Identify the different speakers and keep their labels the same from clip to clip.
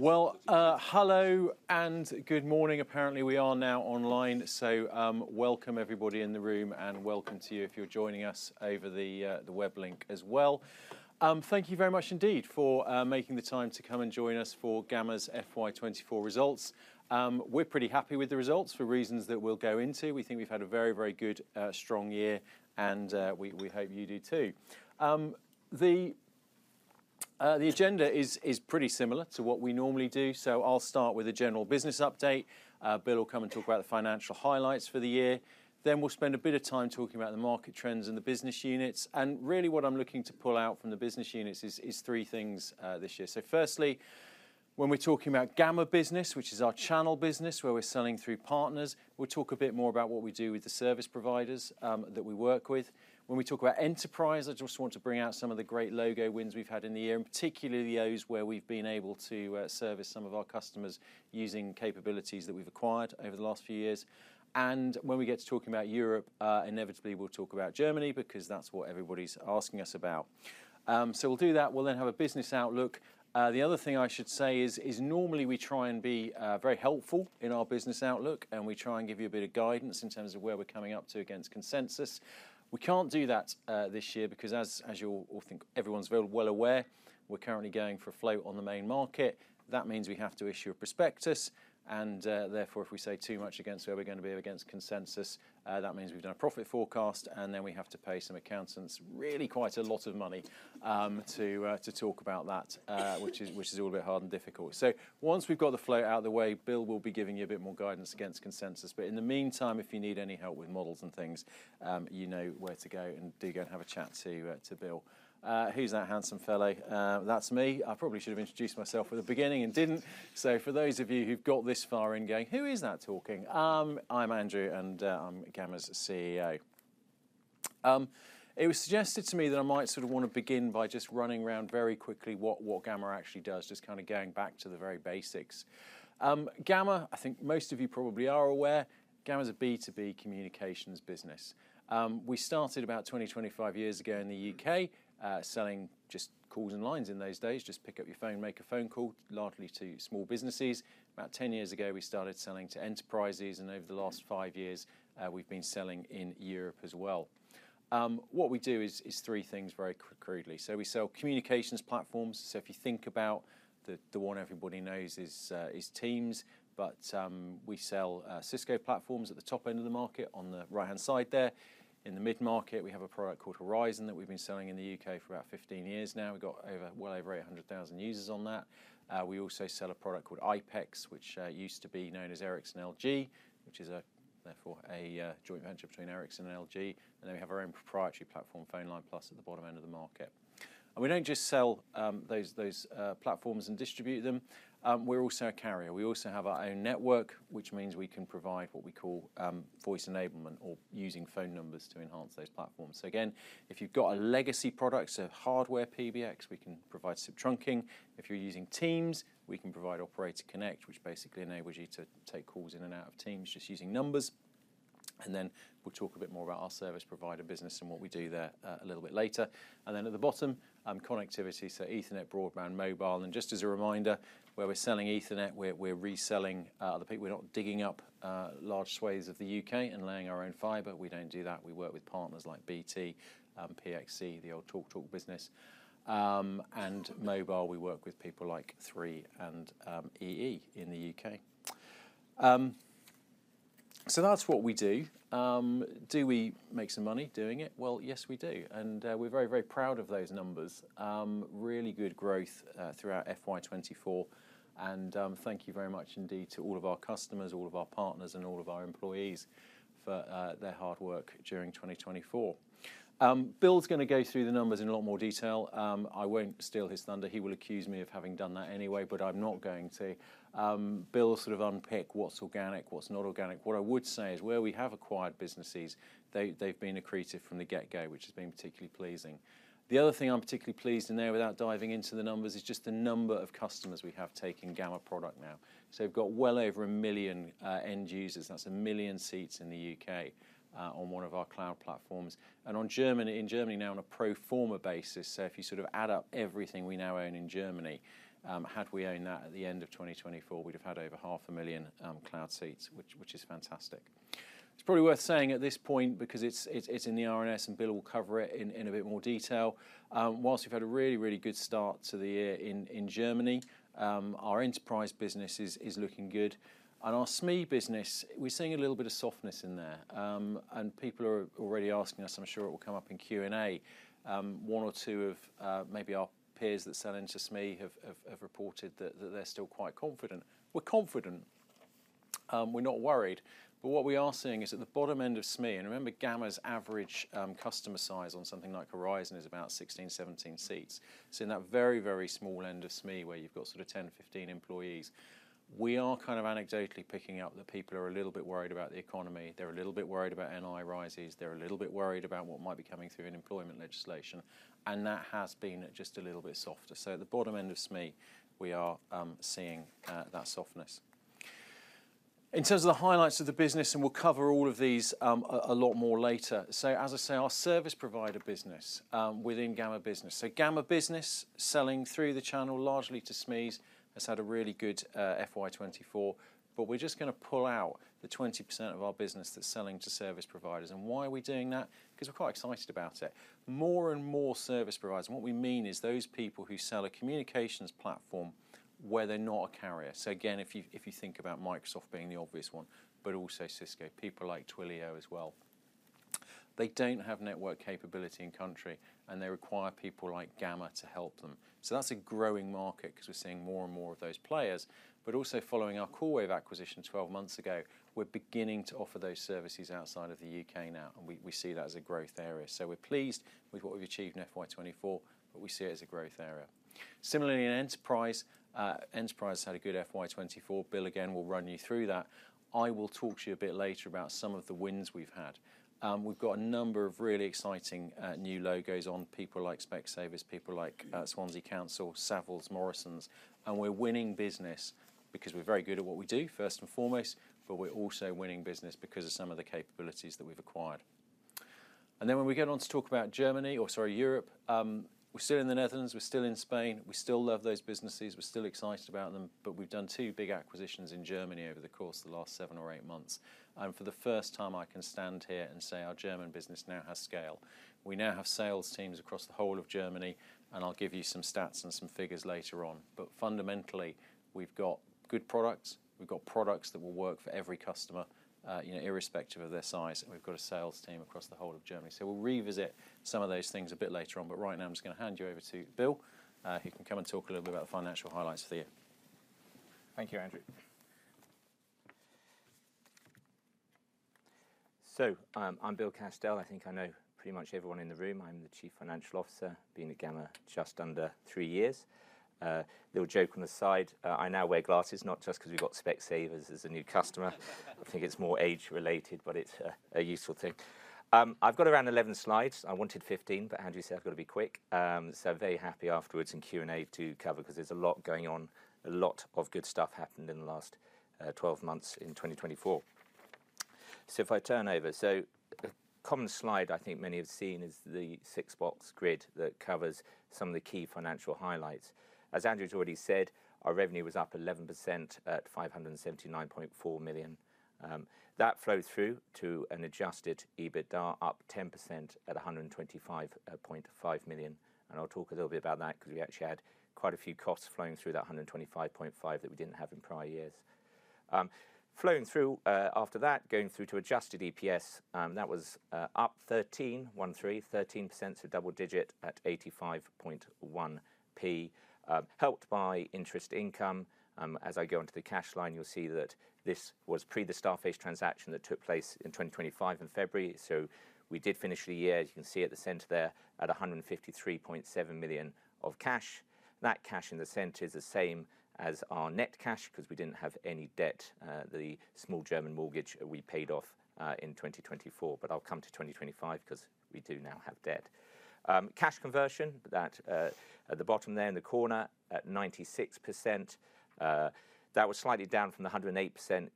Speaker 1: Hello and good morning. Apparently, we are now online, so welcome everybody in the room, and welcome to you if you're joining us over the web link as well. Thank you very much indeed for making the time to come and join us for Gamma's FY 2024 results. We're pretty happy with the results for reasons that we'll go into. We think we've had a very, very good, strong year, and we hope you do too. The agenda is pretty similar to what we normally do, so I'll start with a general business update. Bill will come and talk about the financial highlights for the year. Then we'll spend a bit of time talking about the market trends and the business units. Really, what I'm looking to pull out from the business units is three things this year. Firstly, when we're talking about Gamma Business, which is our channel business where we're selling through partners, we'll talk a bit more about what we do with the service providers that we work with. When we talk about enterprise, I just want to bring out some of the great logo wins we've had in the year, and particularly those where we've been able to service some of our customers using capabilities that we've acquired over the last few years. When we get to talking about Europe, inevitably we'll talk about Germany because that's what everybody's asking us about. We'll do that. We'll then have a business outlook. The other thing I should say is, normally we try and be very helpful in our business outlook, and we try and give you a bit of guidance in terms of where we're coming up to against consensus. We can't do that this year because, as you'll think, everyone's very well aware, we're currently going for a float on the main market. That means we have to issue a prospectus, and, therefore if we say too much against where we're going to be against consensus, that means we've done a profit forecast, and then we have to pay some accountants really quite a lot of money to talk about that, which is all a bit hard and difficult. Once we've got the float out of the way, Bill will be giving you a bit more guidance against consensus. In the meantime, if you need any help with models and things, you know where to go and do go and have a chat to Bill Castell. Who's that handsome fellow? That's me. I probably should have introduced myself at the beginning and didn't. For those of you who've got this far and are going, "Who is that talking?" I'm Andrew Belshaw, and I'm Gamma's CEO. It was suggested to me that I might sort of want to begin by just running around very quickly what Gamma actually does, just kind of going back to the very basics. Gamma, I think most of you probably are aware, Gamma's a B2B communications business. We started about 20, 25 years ago in the U.K., selling just calls and lines in those days. Just pick up your phone, make a phone call, largely to small businesses. About 10 years ago we started selling to enterprises, and over the last five years, we've been selling in Europe as well. What we do is three things very crudely. We sell communications platforms. If you think about the, the one everybody knows is, is Teams, but we sell Cisco platforms at the top end of the market on the right-hand side there. In the mid-market, we have a product called Horizon that we've been selling in the U.K. for about 15 years now. We've got over, well over 800,000 users on that. We also sell a product called IPEX, which used to be known as Ericsson LG, which is a, therefore a joint venture between Ericsson and LG. Then we have our own proprietary platform, PhoneLine+, at the bottom end of the market. We don't just sell those, those platforms and distribute them. We're also a carrier. We also have our own network, which means we can provide what we call voice enablement or using phone numbers to enhance those platforms. If you've got a legacy product, so hardware PBX, we can provide some trunking. If you're using Teams, we can provide Operator Connect, which basically enables you to take calls in and out of Teams just using numbers. We'll talk a bit more about our service provider business and what we do there, a little bit later. At the bottom, connectivity, so Ethernet, broadband, mobile. Just as a reminder, where we're selling Ethernet, we're reselling other people. We're not digging up large swathes of the U.K. and laying our own fiber. We don't do that. We work with partners like BT, PXC, the old TalkTalk Business. Mobile, we work with people like Three and EE in the U.K. That's what we do. Do we make some money doing it? Yes, we do. We're very, very proud of those numbers. Really good growth, throughout FY 2024. Thank you very much indeed to all of our customers, all of our partners, and all of our employees for their hard work during 2024. Bill is going to go through the numbers in a lot more detail. I won't steal his thunder. He will accuse me of having done that anyway, but I'm not going to. Bill will sort of unpick what's organic, what's not organic. What I would say is where we have acquired businesses, they've been accretive from the get-go, which has been particularly pleasing. The other thing I'm particularly pleased in there, without diving into the numbers, is just the number of customers we have taking Gamma product now. We've got well over a million end users. That's a million seats in the U.K., on one of our cloud platforms. On Germany, in Germany now, on a pro forma basis, if you sort of add up everything we now own in Germany, had we owned that at the end of 2024, we'd have had over 500,000 cloud seats, which is fantastic. It's probably worth saying at this point because it's in the RNS, and Bill will cover it in a bit more detail. Whilst we've had a really, really good start to the year in Germany, our enterprise business is looking good. Our SME business, we're seeing a little bit of softness in there. People are already asking us, I'm sure it will come up in Q&A, one or two of maybe our peers that sell into SME have reported that they're still quite confident. We're confident. We're not worried. What we are seeing is at the bottom end of SME, and remember Gamma's average customer size on something like Horizon is about 16, 17 seats. In that very, very small end of SME where you've got sort of 10, 15 employees, we are kind of anecdotally picking up that people are a little bit worried about the economy. They're a little bit worried about NI rises. They're a little bit worried about what might be coming through in employment legislation. That has been just a little bit softer. At the bottom end of SME, we are seeing that softness. In terms of the highlights of the business, and we'll cover all of these a lot more later. As I say, our service provider business within Gamma Business, so Gamma Business selling through the channel, largely to SMEs, has had a really good FY 2024. We're just going to pull out the 20% of our business that's selling to service providers. Why are we doing that? Because we're quite excited about it. More and more service providers, and what we mean is those people who sell a communications platform where they're not a carrier. If you think about Microsoft being the obvious one, but also Cisco, people like Twilio as well. They don't have network capability in country, and they require people like Gamma to help them. That's a growing market because we're seeing more and more of those players. Also, following our Callwave acquisition 12 months ago, we're beginning to offer those services outside of the U.K. now, and we see that as a growth area. We're pleased with what we've achieved in FY 2024, but we see it as a growth area. Similarly, in enterprise, enterprise has had a good FY 2024. Bill, again, will run you through that. I will talk to you a bit later about some of the wins we've had. We've got a number of really exciting, new logos on people like Specsavers, people like Swansea Council, Savills, Morrisons. We're winning business because we're very good at what we do, first and foremost, but we're also winning business because of some of the capabilities that we've acquired. When we get on to talk about Germany, or sorry, Europe, we're still in the Netherlands, we're still in Spain, we still love those businesses, we're still excited about them, but we've done two big acquisitions in Germany over the course of the last seven or eight months. For the first time, I can stand here and say our German business now has scale. We now have sales teams across the whole of Germany, and I'll give you some stats and some figures later on. Fundamentally, we've got good products. We've got products that will work for every customer, you know, irrespective of their size. We've got a sales team across the whole of Germany. We will revisit some of those things a bit later on. Right now, I'm just going to hand you over to Bill, who can come and talk a little bit about the financial highlights for the year.
Speaker 2: Thank you, Andrew. I am Bill Castell. I think I know pretty much everyone in the room. I am the Chief Financial Officer, been at Gamma just under three years. Little joke on the side, I now wear glasses, not just because we have got Specsavers as a new customer. I think it is more age-related, but it is a useful thing. I have got around 11 slides. I wanted 15, but Andrew said I have got to be quick. I am very happy afterwards in Q&A to cover because there is a lot going on, a lot of good stuff happened in the last 12 months in 2024. If I turn over, a common slide I think many have seen is the six-box grid that covers some of the key financial highlights. As Andrew has already said, our revenue was up 11% at 579.4 million. that flowed through to an adjusted EBITDA up 10% at 125.5 million. I'll talk a little bit about that because we actually had quite a few costs flowing through that 125.5 million that we did not have in prior years. Flowing through, after that, going through to adjusted EPS, that was up 13%, so double-digit at 85.1 p, helped by interest income. As I go on to the cash line, you'll see that this was pre the Starface transaction that took place in 2025 in February. We did finish the year. You can see at the center there at 153.7 million of cash. That cash in the center is the same as our net cash because we did not have any debt, the small German mortgage we paid off in 2024. I'll come to 2025 because we do now have debt. Cash conversion. That, at the bottom there in the corner at 96%. That was slightly down from the 108%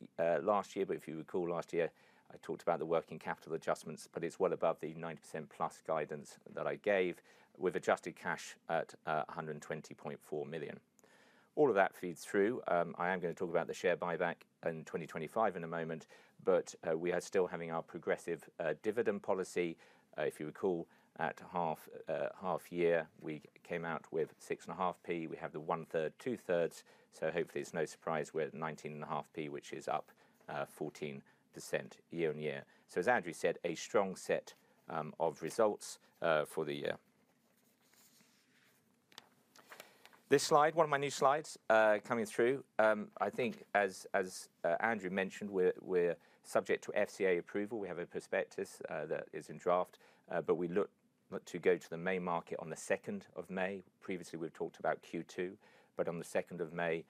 Speaker 2: last year. If you recall last year, I talked about the working capital adjustments, but it is well above the 90% plus guidance that I gave with adjusted cash at 120.4 million. All of that feeds through. I am going to talk about the share buyback in 2025 in a moment, but we are still having our progressive dividend policy. If you recall, at half year, we came out with 6.5 p. We have the one-third, two-thirds. Hopefully it is no surprise we are at 19.5 p, which is up 14% year on year. As Andrew said, a strong set of results for the year. This slide, one of my new slides coming through, I think as Andrew mentioned, we are subject to FCA approval. We have a prospectus that is in draft, but we look to go to the main market on the 2nd of May. Previously, we've talked about Q2, but on the 2nd of May,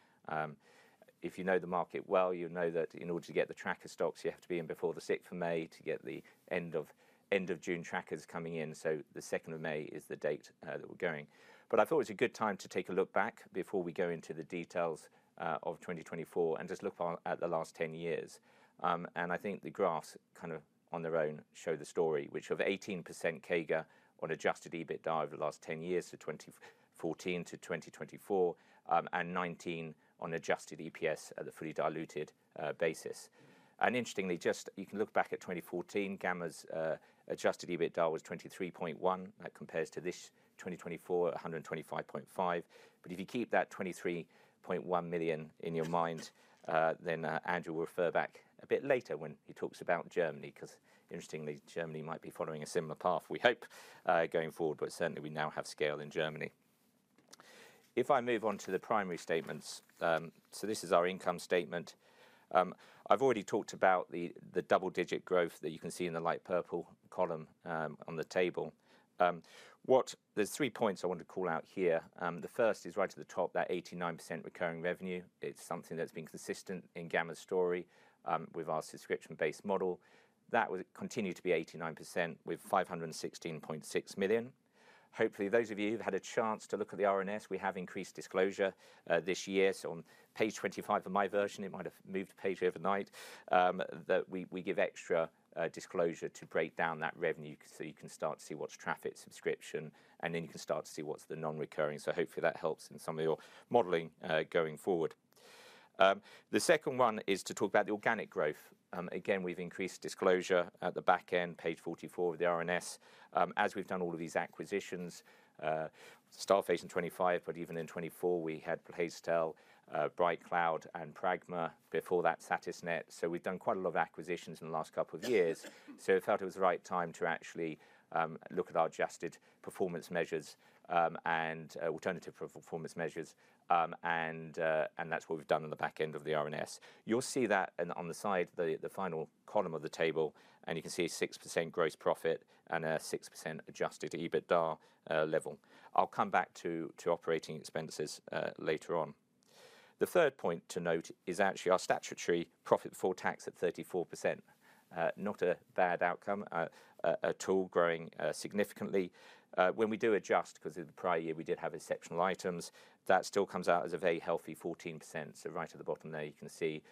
Speaker 2: if you know the market well, you know that in order to get the tracker stocks, you have to be in before the 6th of May to get the end of, end of June trackers coming in. The 2nd of May is the date that we're going. I thought it was a good time to take a look back before we go into the details of 2024 and just look at the last 10 years. I think the graphs kind of on their own show the story, which of 18% CAGR on adjusted EBITDA over the last 10 years to 2014 to 2024, and 19% on adjusted EPS at the fully diluted basis. Interestingly, you can look back at 2014, Gamma's adjusted EBITDA was 23.1 million. That compares to this 2024, 125.5 million. If you keep that 23.1 million in your mind, then Andrew will refer back a bit later when he talks about Germany because interestingly, Germany might be following a similar path, we hope, going forward. Certainly we now have scale in Germany. If I move on to the primary statements, this is our income statement. I've already talked about the double-digit growth that you can see in the light purple column on the table. There are three points I want to call out here. The first is right at the top, that 89% recurring revenue. It's something that's been consistent in Gamma's story. We've asked a subscription-based model. That would continue to be 89% with 516.6 million. Hopefully, those of you who've had a chance to look at the RNS, we have increased disclosure this year. On page 25 of my version, it might have moved to page overnight, we give extra disclosure to break down that revenue so you can start to see what's traffic subscription, and then you can start to see what's the non-recurring. Hopefully that helps in some of your modeling going forward. The second one is to talk about the organic growth. Again, we've increased disclosure at the back end, page 44 of the RNS, as we've done all of these acquisitions, Starface in 2025, but even in 2024, we had Placetel, Bright Cloud, and Pragma before that, Satisnet. We have done quite a lot of acquisitions in the last couple of years. We felt it was the right time to actually look at our adjusted performance measures and alternative performance measures, and that's what we've done on the back end of the RNS. You'll see that on the side, the final column of the table, and you can see a 6% gross profit and a 6% adjusted EBITDA level. I'll come back to operating expenses later on. The third point to note is actually our statutory profit before tax at 34%, not a bad outcome at all, growing significantly. When we do adjust, because in the prior year we did have exceptional items, that still comes out as a very healthy 14%. Right at the bottom there, you can see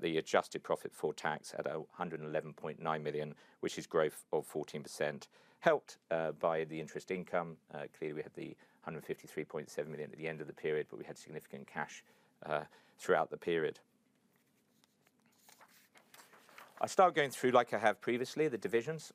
Speaker 2: the adjusted profit before tax at 111.9 million, which is growth of 14%, helped by the interest income. Clearly we had the 153.7 million at the end of the period, but we had significant cash throughout the period. I start going through, like I have previously, the divisions.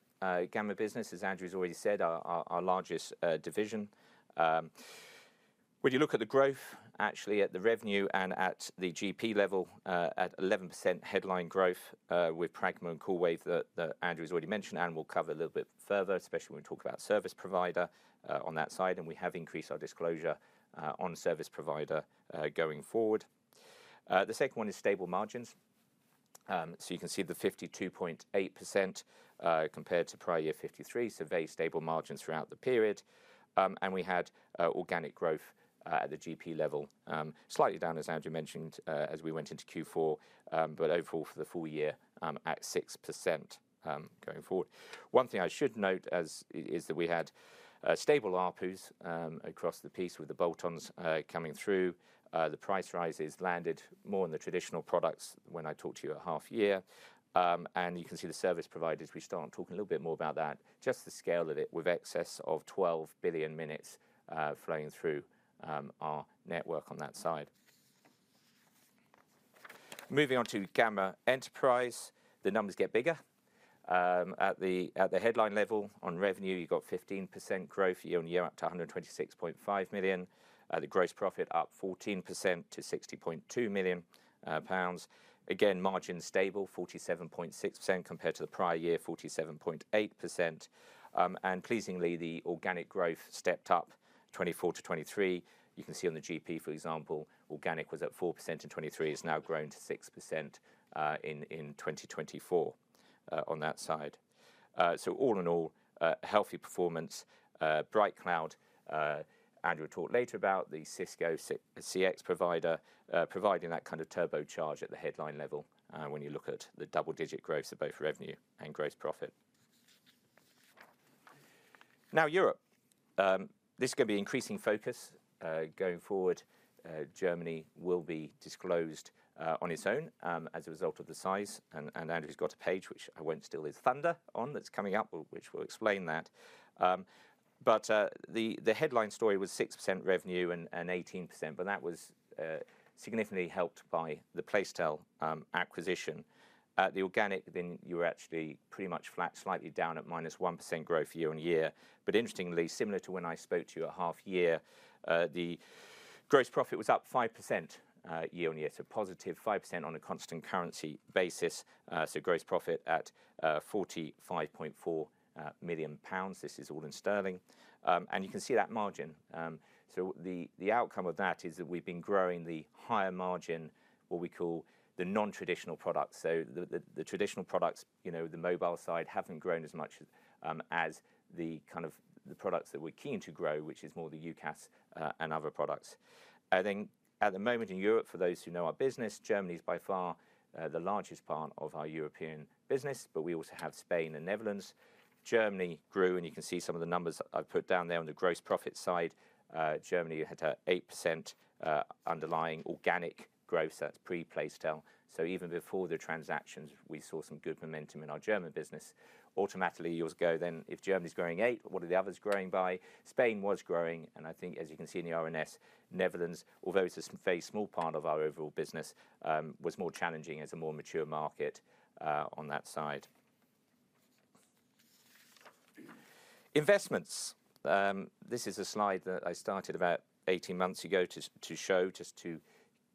Speaker 2: Gamma Business, as Andrew's already said, our largest division. When you look at the growth, actually at the revenue and at the GP level, at 11% headline growth, with Pragma and Callwave that Andrew's already mentioned, and we'll cover a little bit further, especially when we talk about service provider on that side. We have increased our disclosure on service provider going forward. The second one is stable margins. You can see the 52.8% compared to prior year 53%, so very stable margins throughout the period. We had organic growth at the GP level, slightly down, as Andrew mentioned, as we went into Q4, but overall for the full year, at 6% going forward. One thing I should note is that we had stable ARPUs across the piece with the bolt-ons coming through. The price rises landed more in the traditional products when I talked to you at half year. You can see the service providers, we start talking a little bit more about that, just the scale of it with excess of 12 billion minutes flowing through our network on that side. Moving on to Gamma Enterprise, the numbers get bigger. At the headline level on revenue, you have 15% growth year on year up to 126.5 million. The gross profit up 14% to 60.2 million pounds. Again, margin stable, 47.6% compared to the prior year, 47.8%. Pleasingly, the organic growth stepped up 24 to 23. You can see on the GP, for example, organic was at 4% in 2023, has now grown to 6% in 2024, on that side. All in all, healthy performance, Bright Cloud, Andrew talked later about the Cisco CX provider, providing that kind of turbocharge at the headline level. When you look at the double-digit growth of both revenue and gross profit. Now, Europe, this is going to be increasing focus, going forward. Germany will be disclosed on its own, as a result of the size. Andrew's got a page which I won't steal his thunder on that's coming up, which will explain that. The headline story was 6% revenue and 18%, but that was significantly helped by the Placetel acquisition. At the organic, then you were actually pretty much flat, slightly down at minus 1% growth year on year. Interestingly, similar to when I spoke to you at half year, the gross profit was up 5% year on year, so positive 5% on a constant currency basis. Gross profit at 45.4 million pounds. This is all in sterling. You can see that margin. The outcome of that is that we've been growing the higher margin, what we call the non-traditional products. The traditional products, you know, the mobile side, haven't grown as much as the kind of the products that we're keen to grow, which is more the UCaaS and other products. At the moment in Europe, for those who know our business, Germany is by far the largest part of our European business, but we also have Spain and Netherlands. Germany grew, and you can see some of the numbers I've put down there on the gross profit side. Germany had an 8% underlying organic growth. That's pre-Placetel. Even before the transactions, we saw some good momentum in our German business. Automatically, you'll go then, if Germany's growing 8, what are the others growing by? Spain was growing. I think, as you can see in the RNS, Netherlands, although it's a very small part of our overall business, was more challenging as a more mature market, on that side. Investments, this is a slide that I started about 18 months ago to show, just to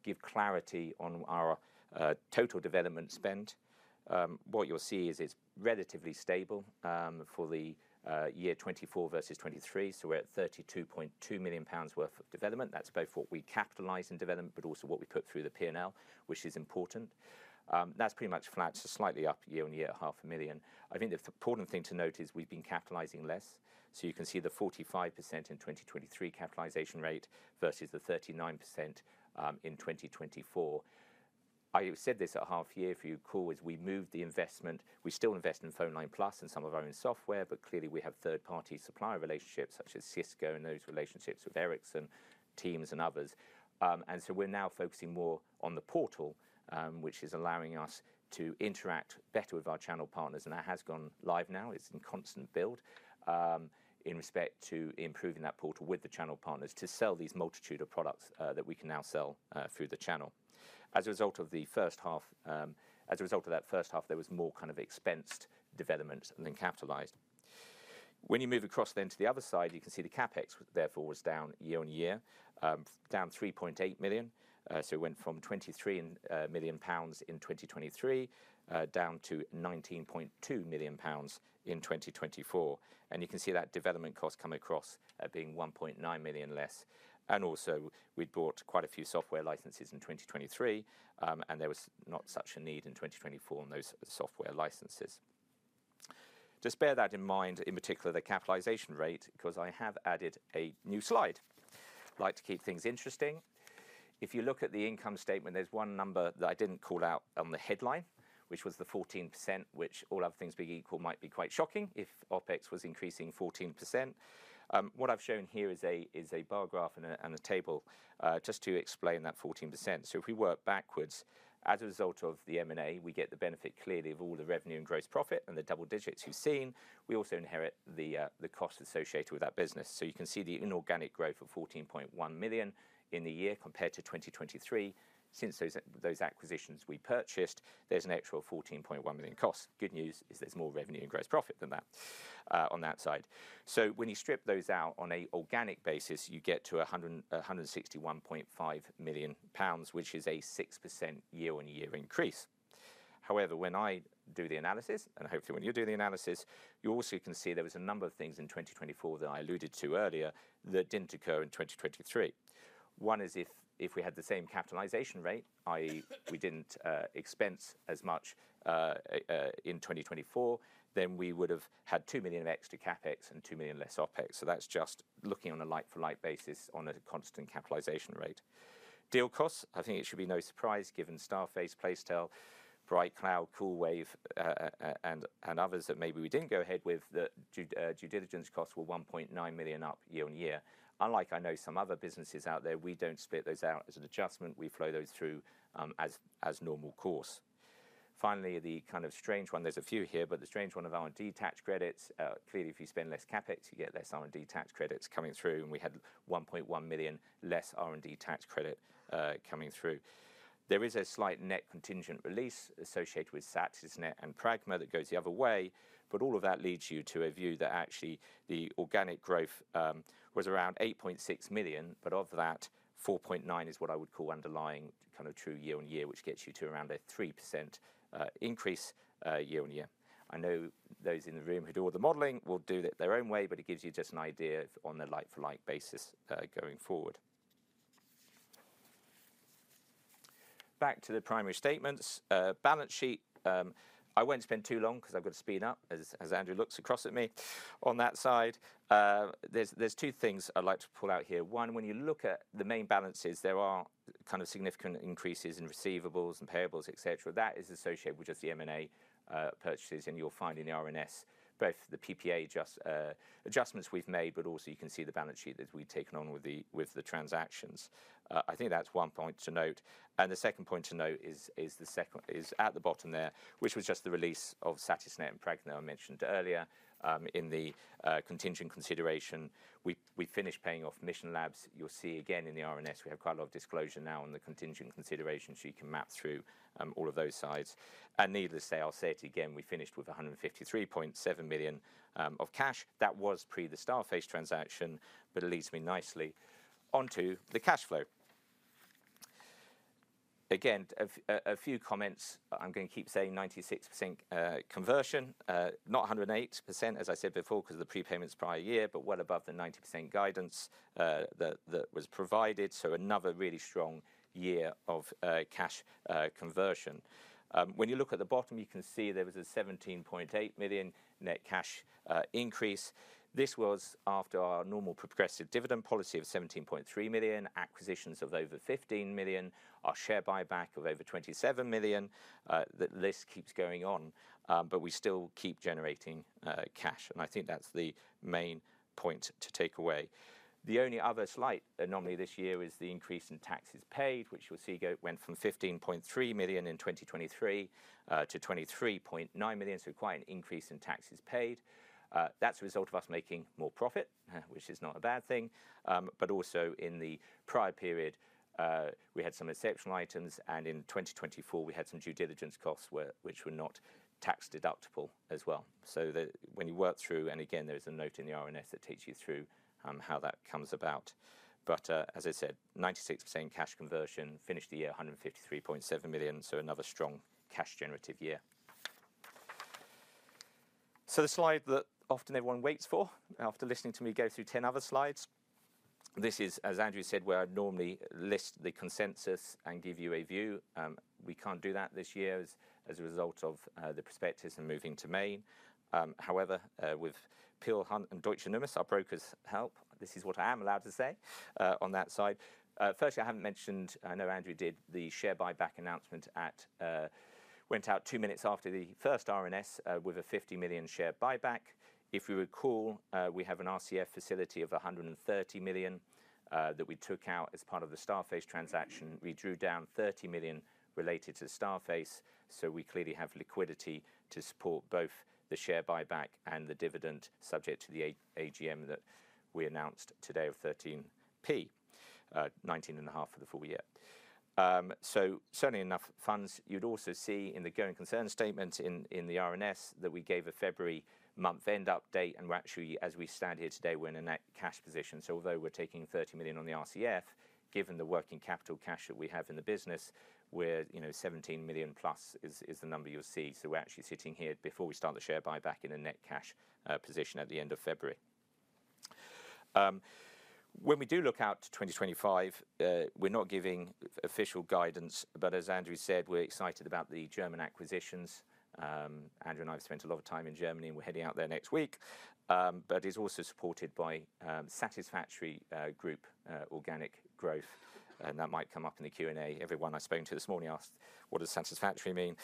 Speaker 2: give clarity on our total development spend. What you'll see is it's relatively stable for the year 2024 versus 2023. We're at 32.2 million pounds worth of development. That's both what we capitalize in development, but also what we put through the P&L, which is important. That's pretty much flat, so slightly up year on year, $500,000. I think the important thing to note is we've been capitalizing less. You can see the 45% in 2023 capitalization rate versus the 39% in 2024. I said this at half year, if you recall, as we moved the investment. We still invest in PhoneLine+ and some of our own software, but clearly we have third-party supplier relationships such as Cisco and those relationships with Ericsson, Teams, and others. We are now focusing more on the portal, which is allowing us to interact better with our channel partners. That has gone live now. It's in constant build, in respect to improving that portal with the channel partners to sell these multitude of products, that we can now sell, through the channel. As a result of the first half, as a result of that first half, there was more kind of expensed development than capitalized. When you move across then to the other side, you can see the CapEx, therefore, was down year on year, down 3.8 million. It went from 23 million pounds in 2023, down to 19.2 million pounds in 2024. You can see that development costs come across at being 1.9 million less. Also, we bought quite a few software licenses in 2023, and there was not such a need in 2024 on those software licenses. To spare that in mind, in particular the capitalization rate, because I have added a new slide. I'd like to keep things interesting. If you look at the income statement, there's one number that I didn't call out on the headline, which was the 14%, which all other things being equal might be quite shocking if OpEx was increasing 14%. What I've shown here is a bar graph and a table, just to explain that 14%. If we work backwards, as a result of the M&A, we get the benefit clearly of all the revenue and gross profit and the double digits you've seen. We also inherit the cost associated with that business. You can see the inorganic growth of 14.1 million in the year compared to 2023. Since those acquisitions we purchased, there's an extra 14.1 million costs. Good news is there's more revenue and gross profit than that, on that side. When you strip those out on an organic basis, you get to 161.5 million pounds, which is a 6% year on year increase. However, when I do the analysis, and hopefully when you do the analysis, you also can see there was a number of things in 2024 that I alluded to earlier that did not occur in 2023. One is if we had the same capitalization rate, i.e., we did not expense as much, in 2024, then we would have had 2 million of extra CapEx and 2 million less OpEx. That is just looking on a like for like basis on a constant capitalization rate. Deal costs, I think it should be no surprise given Starface, Placetel, Bright Cloud, Callwave, and others that maybe we did not go ahead with, that due diligence costs were 1.9 million up year on year. Unlike I know some other businesses out there, we do not split those out as an adjustment. We flow those through, as normal course. Finally, the kind of strange one, there is a few here, but the strange one of R&D tax credits, clearly if you spend less CapEx, you get less R&D tax credits coming through. We had 1.1 million less R&D tax credit coming through. There is a slight net contingent release associated with Satisnet and Pragma that goes the other way. All of that leads you to a view that actually the organic growth was around 8.6 million, but of that, 4.9 million is what I would call underlying kind of true year on year, which gets you to around a 3% increase year on year. I know those in the room who do all the modeling will do it their own way, but it gives you just an idea on the like-for-like basis, going forward. Back to the primary statements, balance sheet, I won't spend too long because I've got to speed up as Andrew looks across at me on that side. There are two things I'd like to pull out here. One, when you look at the main balances, there are kind of significant increases in receivables and payables, et cetera. That is associated with just the M&A purchases. And you'll find in the RNS, both the PPA adjustments we've made, but also you can see the balance sheet that we've taken on with the transactions. I think that's one point to note. The second point to note is the second is at the bottom there, which was just the release of Satisnet and Pragma I mentioned earlier, in the contingent consideration. We finished paying off Mission Labs. You'll see again in the RNS, we have quite a lot of disclosure now on the contingent consideration. You can map through all of those sides. Needless to say, I'll say it again, we finished with 153.7 million of cash. That was pre the Starface transaction, but it leads me nicely onto the cash flow. Again, a few comments. I'm going to keep saying 96% conversion, not 108% as I said before because of the prepayments prior year, but well above the 90% guidance that was provided. Another really strong year of cash conversion. When you look at the bottom, you can see there was a 17.8 million net cash increase. This was after our normal progressive dividend policy of 17.3 million, acquisitions of over 15 million, our share buyback of over 27 million. That list keeps going on, but we still keep generating cash. I think that's the main point to take away. The only other slight anomaly this year is the increase in taxes paid, which you'll see went from 15.3 million in 2023 to 23.9 million. Quite an increase in taxes paid. That's a result of us making more profit, which is not a bad thing. Also, in the prior period, we had some exceptional items. In 2024, we had some due diligence costs which were not tax deductible as well. When you work through, and again, there's a note in the RNS that takes you through how that comes about. As I said, 96% cash conversion, finished the year at 153.7 million. Another strong cash generative year. The slide that often everyone waits for after listening to me go through 10 other slides. This is, as Andrew said, where I normally list the consensus and give you a view. We can't do that this year as a result of the prospectus and moving to Main. However, with Peel Hunt and Deutsche Numis, our brokers help. This is what I am allowed to say on that side. Firstly, I haven't mentioned, I know Andrew did the share buyback announcement that went out two minutes after the first RNS, with a 50 million share buyback. If you recall, we have an RCF facility of 130 million, that we took out as part of the Starface transaction. We drew down 30 million related to Starface. We clearly have liquidity to support both the share buyback and the dividend subject to the AGM that we announced today of 0.13, GBP 0.195 for the full year. Certainly enough funds. You'd also see in the going concern statement in the RNS that we gave a February month end update. We're actually, as we stand here today, in a net cash position. Although we're taking 30 million on the RCF, given the working capital cash that we have in the business, we're, you know, 17 million plus is the number you'll see. We're actually sitting here before we start the share buyback in a net cash position at the end of February. When we do look out to 2025, we're not giving official guidance, but as Andrew said, we're excited about the German acquisitions. Andrew and I have spent a lot of time in Germany and we're heading out there next week. It's also supported by satisfactory group organic growth. That might come up in the Q&A. Everyone I spoke to this morning asked, what does satisfactory mean?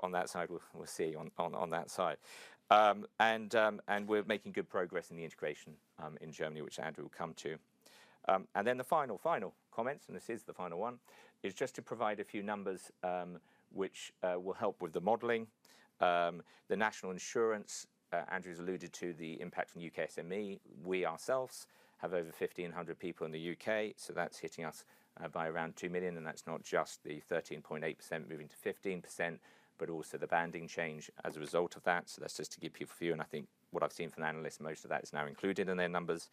Speaker 2: On that side, we'll see on that side. We're making good progress in the integration in Germany, which Andrew will come to. The final comments, and this is the final one, is just to provide a few numbers, which will help with the modeling. The national insurance, Andrew's alluded to the impact on U.K. SME. We ourselves have over 1,500 people in the U.K. So that's hitting us, by around 2 million. And that's not just the 13.8% moving to 15%, but also the banding change as a result of that. That's just to give people a view. I think what I've seen from the analysts, most of that is now included in their numbers.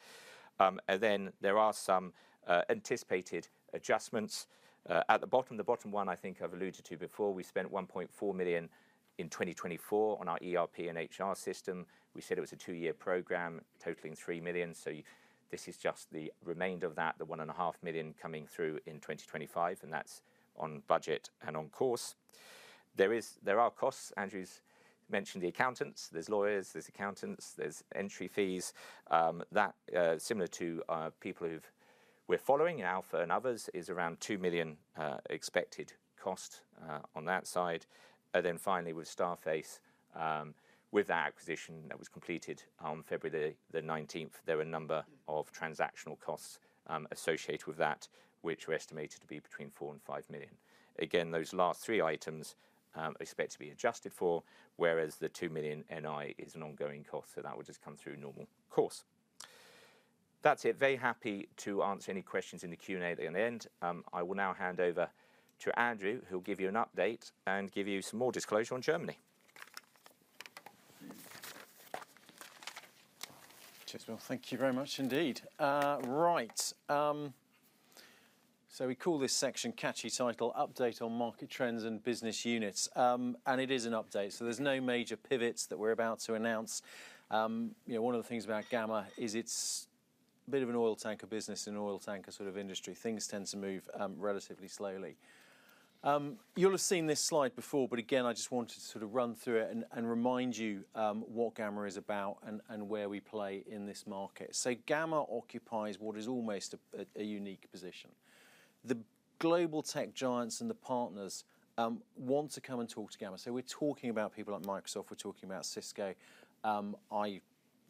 Speaker 2: Then there are some anticipated adjustments. At the bottom, the bottom one I think I've alluded to before, we spent 1.4 million in 2024 on our ERP and HR system. We said it was a two-year program totaling 3 million. This is just the remainder of that, the 1.5 million coming through in 2025. That's on budget and on course. There are costs. Andrew's mentioned the accountants. There's lawyers, there's accountants, there's entry fees. That, similar to people who we've been following in Alpha and others, is around 2 million, expected cost, on that side. Finally, with Starface, with that acquisition that was completed on February the 19th, there were a number of transactional costs associated with that, which were estimated to be between 4 million and 5 million. Again, those last three items are expected to be adjusted for, whereas the 2 million NI is an ongoing cost. That will just come through normal course. That's it. Very happy to answer any questions in the Q&A at the end. I will now hand over to Andrew, who'll give you an update and give you some more disclosure on Germany.
Speaker 1: Castell, thank you very much indeed. Right. We call this section catchy title, Update on Market Trends and Business Units. It is an update. There are no major pivots that we're about to announce. You know, one of the things about Gamma is it's a bit of an oil tanker business, an oil tanker sort of industry. Things tend to move relatively slowly. You'll have seen this slide before, but again, I just wanted to sort of run through it and remind you what Gamma is about and where we play in this market. Gamma occupies what is almost a unique position. The global tech giants and the partners want to come and talk to Gamma. We're talking about people like Microsoft. We're talking about Cisco. I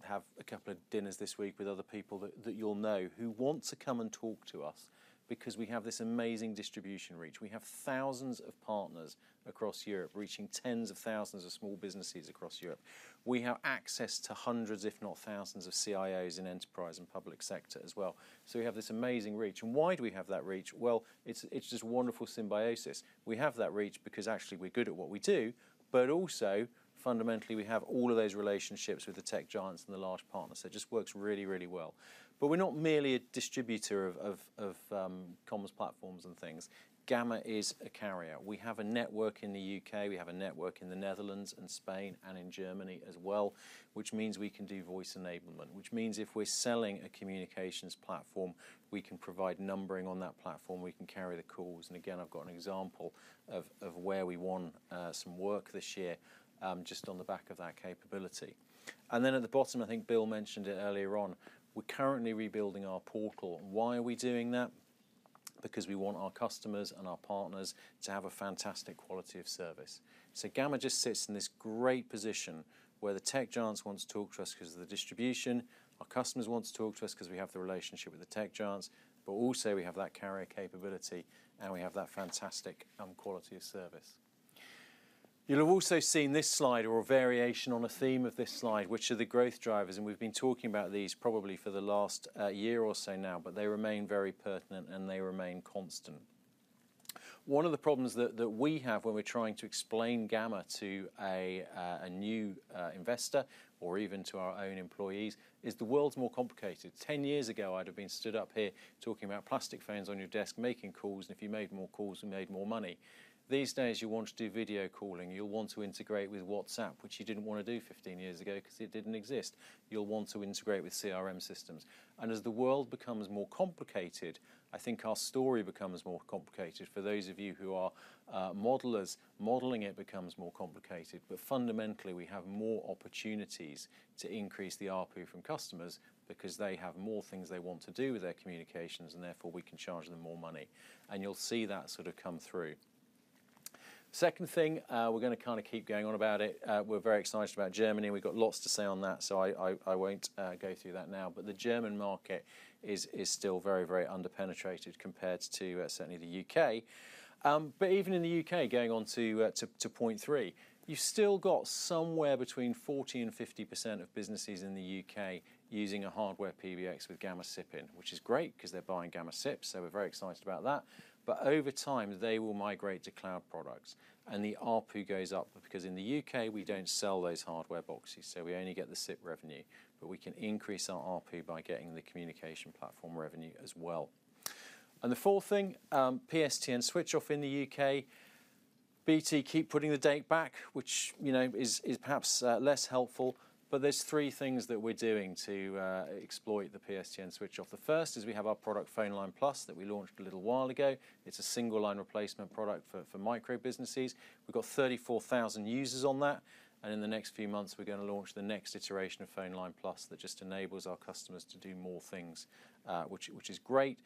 Speaker 1: have a couple of dinners this week with other people that you'll know who want to come and talk to us because we have this amazing distribution reach. We have thousands of partners across Europe reaching tens of thousands of small businesses across Europe. We have access to hundreds, if not thousands, of CIOs in enterprise and public sector as well. We have this amazing reach. Why do we have that reach? It's just wonderful symbiosis. We have that reach because actually we're good at what we do, but also fundamentally we have all of those relationships with the tech giants and the large partners. It just works really, really well. We're not merely a distributor of comms platforms and things. Gamma is a carrier. We have a network in the U.K. We have a network in the Netherlands and Spain and in Germany as well, which means we can do voice enablement, which means if we're selling a communications platform, we can provide numbering on that platform. We can carry the calls. I have got an example of where we won some work this year just on the back of that capability. At the bottom, I think Bill mentioned it earlier on, we are currently rebuilding our portal. Why are we doing that? Because we want our customers and our partners to have a fantastic quality of service. Gamma just sits in this great position where the tech giants want to talk to us because of the distribution. Our customers want to talk to us because we have the relationship with the tech giants, but also we have that carrier capability and we have that fantastic, quality of service. You'll have also seen this slide or a variation on a theme of this slide, which are the growth drivers. We've been talking about these probably for the last year or so now, but they remain very pertinent and they remain constant. One of the problems that we have when we're trying to explain Gamma to a new investor or even to our own employees is the world's more complicated. Ten years ago, I'd have been stood up here talking about plastic phones on your desk, making calls. If you made more calls, you made more money. These days, you want to do video calling. You'll want to integrate with WhatsApp, which you didn't want to do 15 years ago because it didn't exist. You'll want to integrate with CRM systems. As the world becomes more complicated, I think our story becomes more complicated. For those of you who are modelers, modeling it becomes more complicated. Fundamentally, we have more opportunities to increase the ARPU from customers because they have more things they want to do with their communications and therefore we can charge them more money. You'll see that sort of come through. Second thing, we're going to kind of keep going on about it. We're very excited about Germany. We've got lots to say on that. I won't go through that now. The German market is still very, very underpenetrated compared to, certainly, the U.K. but even in the U.K., going on to, to, to point three, you've still got somewhere between 40% and 50% of businesses in the U.K. using a hardware PBX with Gamma SIP in, which is great because they're buying Gamma SIP. we're very excited about that. Over time, they will migrate to cloud products and the ARPU goes up because in the U.K., we don't sell those hardware boxes. we only get the SIP revenue, but we can increase our ARPU by getting the communication platform revenue as well. The fourth thing, PSTN switch off in the U.K., BT keep putting the date back, which, you know, is, is perhaps, less helpful. there's three things that we're doing to, exploit the PSTN switch off. The first is we have our product, PhoneLine+, that we launched a little while ago. It's a single line replacement product for, for micro businesses. We've got 34,000 users on that. In the next few months, we're going to launch the next iteration of PhoneLine+ that just enables our customers to do more things, which is great.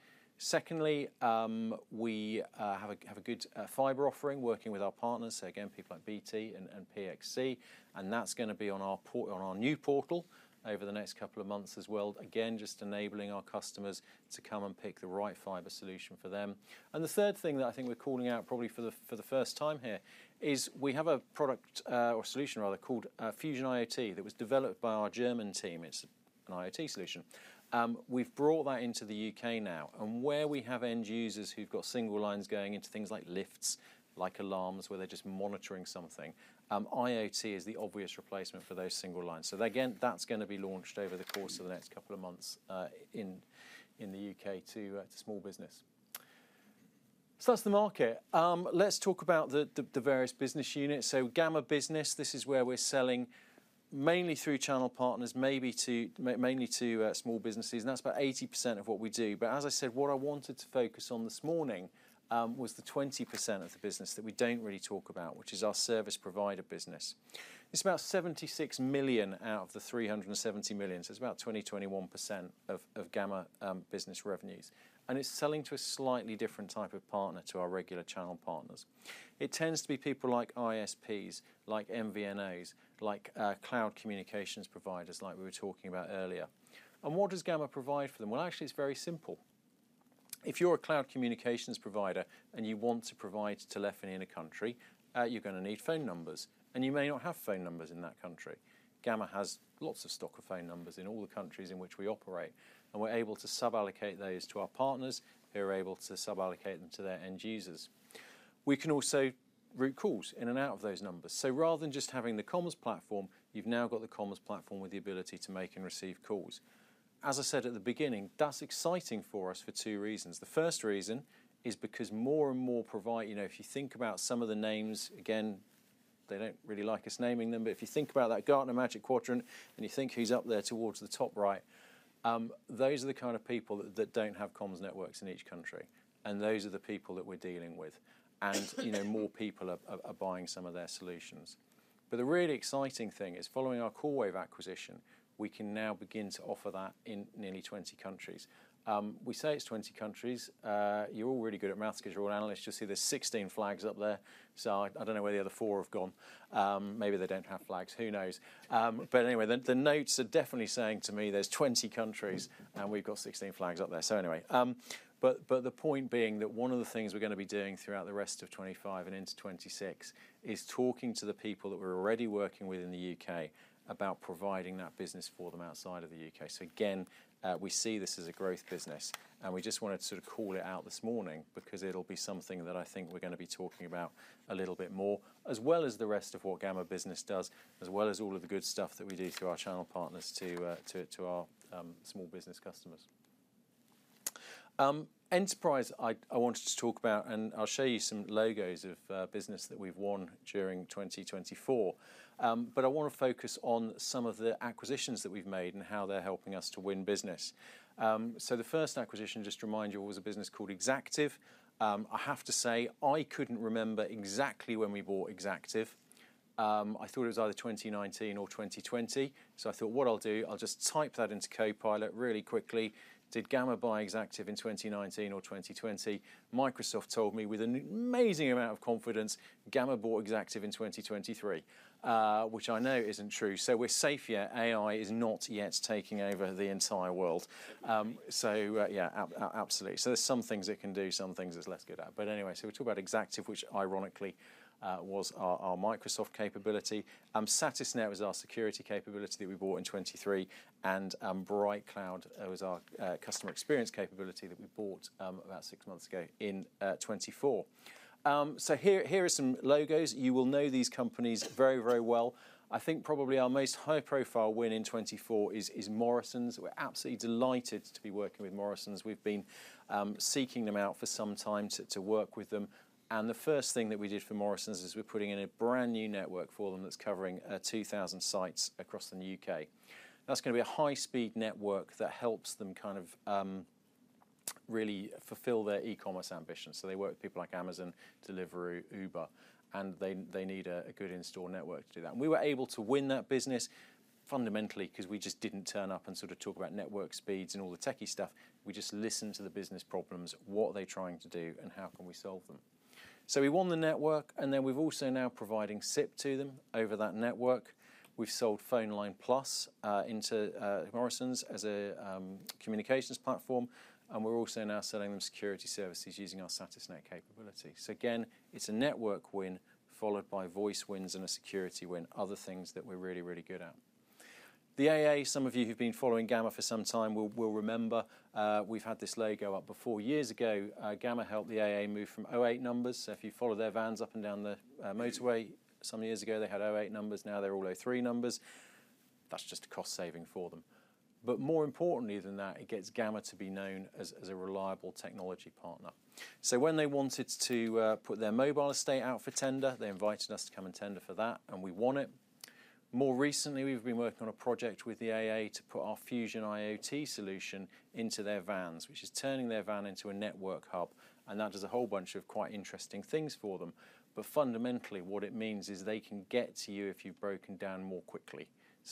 Speaker 1: Secondly, we have a good fiber offering working with our partners, people like BT and PXC. That's going to be on our new portal over the next couple of months as well, just enabling our customers to come and pick the right fiber solution for them. The third thing that I think we're calling out probably for the first time here is we have a product, or solution rather, called Fusion IoT that was developed by our German team. It's an IoT solution. We've brought that into the U.K. now. Where we have end users who've got single lines going into things like lifts, like alarms, where they're just monitoring something, IoT is the obvious replacement for those single lines. That's going to be launched over the course of the next couple of months in the U.K. to small business. That's the market. Let's talk about the various business units. Gamma Business, this is where we're selling mainly through channel partners, mainly to small businesses. That's about 80% of what we do. As I said, what I wanted to focus on this morning was the 20% of the business that we don't really talk about, which is our service provider business. It's about 76 million out of the 370 million. It's about 20%, 21% of Gamma Business revenues. It is selling to a slightly different type of partner to our regular channel partners. It tends to be people like ISPs, like MVNOs, like cloud communications providers like we were talking about earlier. What does Gamma provide for them? Actually, it is very simple. If you are a cloud communications provider and you want to provide telephony in a country, you are going to need phone numbers. You may not have phone numbers in that country. Gamma has lots of stock of phone numbers in all the countries in which we operate. We are able to sub-allocate those to our partners who are able to sub-allocate them to their end users. We can also route calls in and out of those numbers. Rather than just having the comms platform, you have now got the comms platform with the ability to make and receive calls. As I said at the beginning, that's exciting for us for two reasons. The first reason is because more and more provide, you know, if you think about some of the names, again, they don't really like us naming them. If you think about that Gartner Magic Quadrant and you think who's up there towards the top right, those are the kind of people that don't have comms networks in each country. Those are the people that we're dealing with. You know, more people are buying some of their solutions. The really exciting thing is following our Callwave acquisition, we can now begin to offer that in nearly 20 countries. We say it's 20 countries. You're all really good at maths because you're all analysts. You'll see there's 16 flags up there. I don't know where the other four have gone. Maybe they don't have flags. Who knows? Anyway, the notes are definitely saying to me there's 20 countries and we've got 16 flags up there. Anyway, the point being that one of the things we're going to be doing throughout the rest of 2025 and into 2026 is talking to the people that we're already working with in the U.K. about providing that business for them outside of the U.K. Again, we see this as a growth business. We just wanted to sort of call it out this morning because it'll be something that I think we're going to be talking about a little bit more, as well as the rest of what Gamma business does, as well as all of the good stuff that we do through our channel partners to our small business customers. Enterprise, I wanted to talk about, and I'll show you some logos of, business that we've won during 2024. I want to focus on some of the acquisitions that we've made and how they're helping us to win business. The first acquisition, just to remind you, was a business called Exactive. I have to say I couldn't remember exactly when we bought Exactive. I thought it was either 2019 or 2020. I thought, what I'll do, I'll just type that into Copilot really quickly. Did Gamma buy Exactive in 2019 or 2020? Microsoft told me with an amazing amount of confidence, Gamma bought Exactive in 2023, which I know isn't true. We're safe here. AI is not yet taking over the entire world. Absolutely. There are some things it can do, some things it's less good at. Anyway, we'll talk about Exactive, which ironically, was our Microsoft capability. Satisnet was our security capability that we bought in 2023. Bright Cloud was our customer experience capability that we bought about six months ago in 2024. Here are some logos. You will know these companies very, very well. I think probably our most high-profile win in 2024 is Morrisons. We're absolutely delighted to be working with Morrisons. We've been seeking them out for some time to work with them. The first thing that we did for Morrisons is we're putting in a brand new network for them that's covering 2,000 sites across the U.K. That's going to be a high-speed network that helps them really fulfill their e-commerce ambitions. They work with people like Amazon, Delivery, Uber, and they need a good in-store network to do that. We were able to win that business fundamentally because we just did not turn up and sort of talk about network speeds and all the techie stuff. We just listened to the business problems, what they are trying to do, and how can we solve them. We won the network, and then we have also now provided SIP to them over that network. We have sold PhoneLine+ into Morrisons as a communications platform. We are also now selling them security services using our Satisnet capability. Again, it is a network win followed by voice wins and a security win, other things that we are really, really good at. The AA, some of you who've been following Gamma for some time will remember, we've had this logo up before years ago. Gamma helped the AA move from 08 numbers. If you follow their vans up and down the motorway some years ago, they had 08 numbers. Now they're all 03 numbers. That's just a cost saving for them. More importantly than that, it gets Gamma to be known as a reliable technology partner. When they wanted to put their mobile estate out for tender, they invited us to come and tender for that, and we won it. More recently, we've been working on a project with the AA to put our Fusion IoT solution into their vans, which is turning their van into a network hub. That does a whole bunch of quite interesting things for them. Fundamentally, what it means is they can get to you if you've broken down more quickly.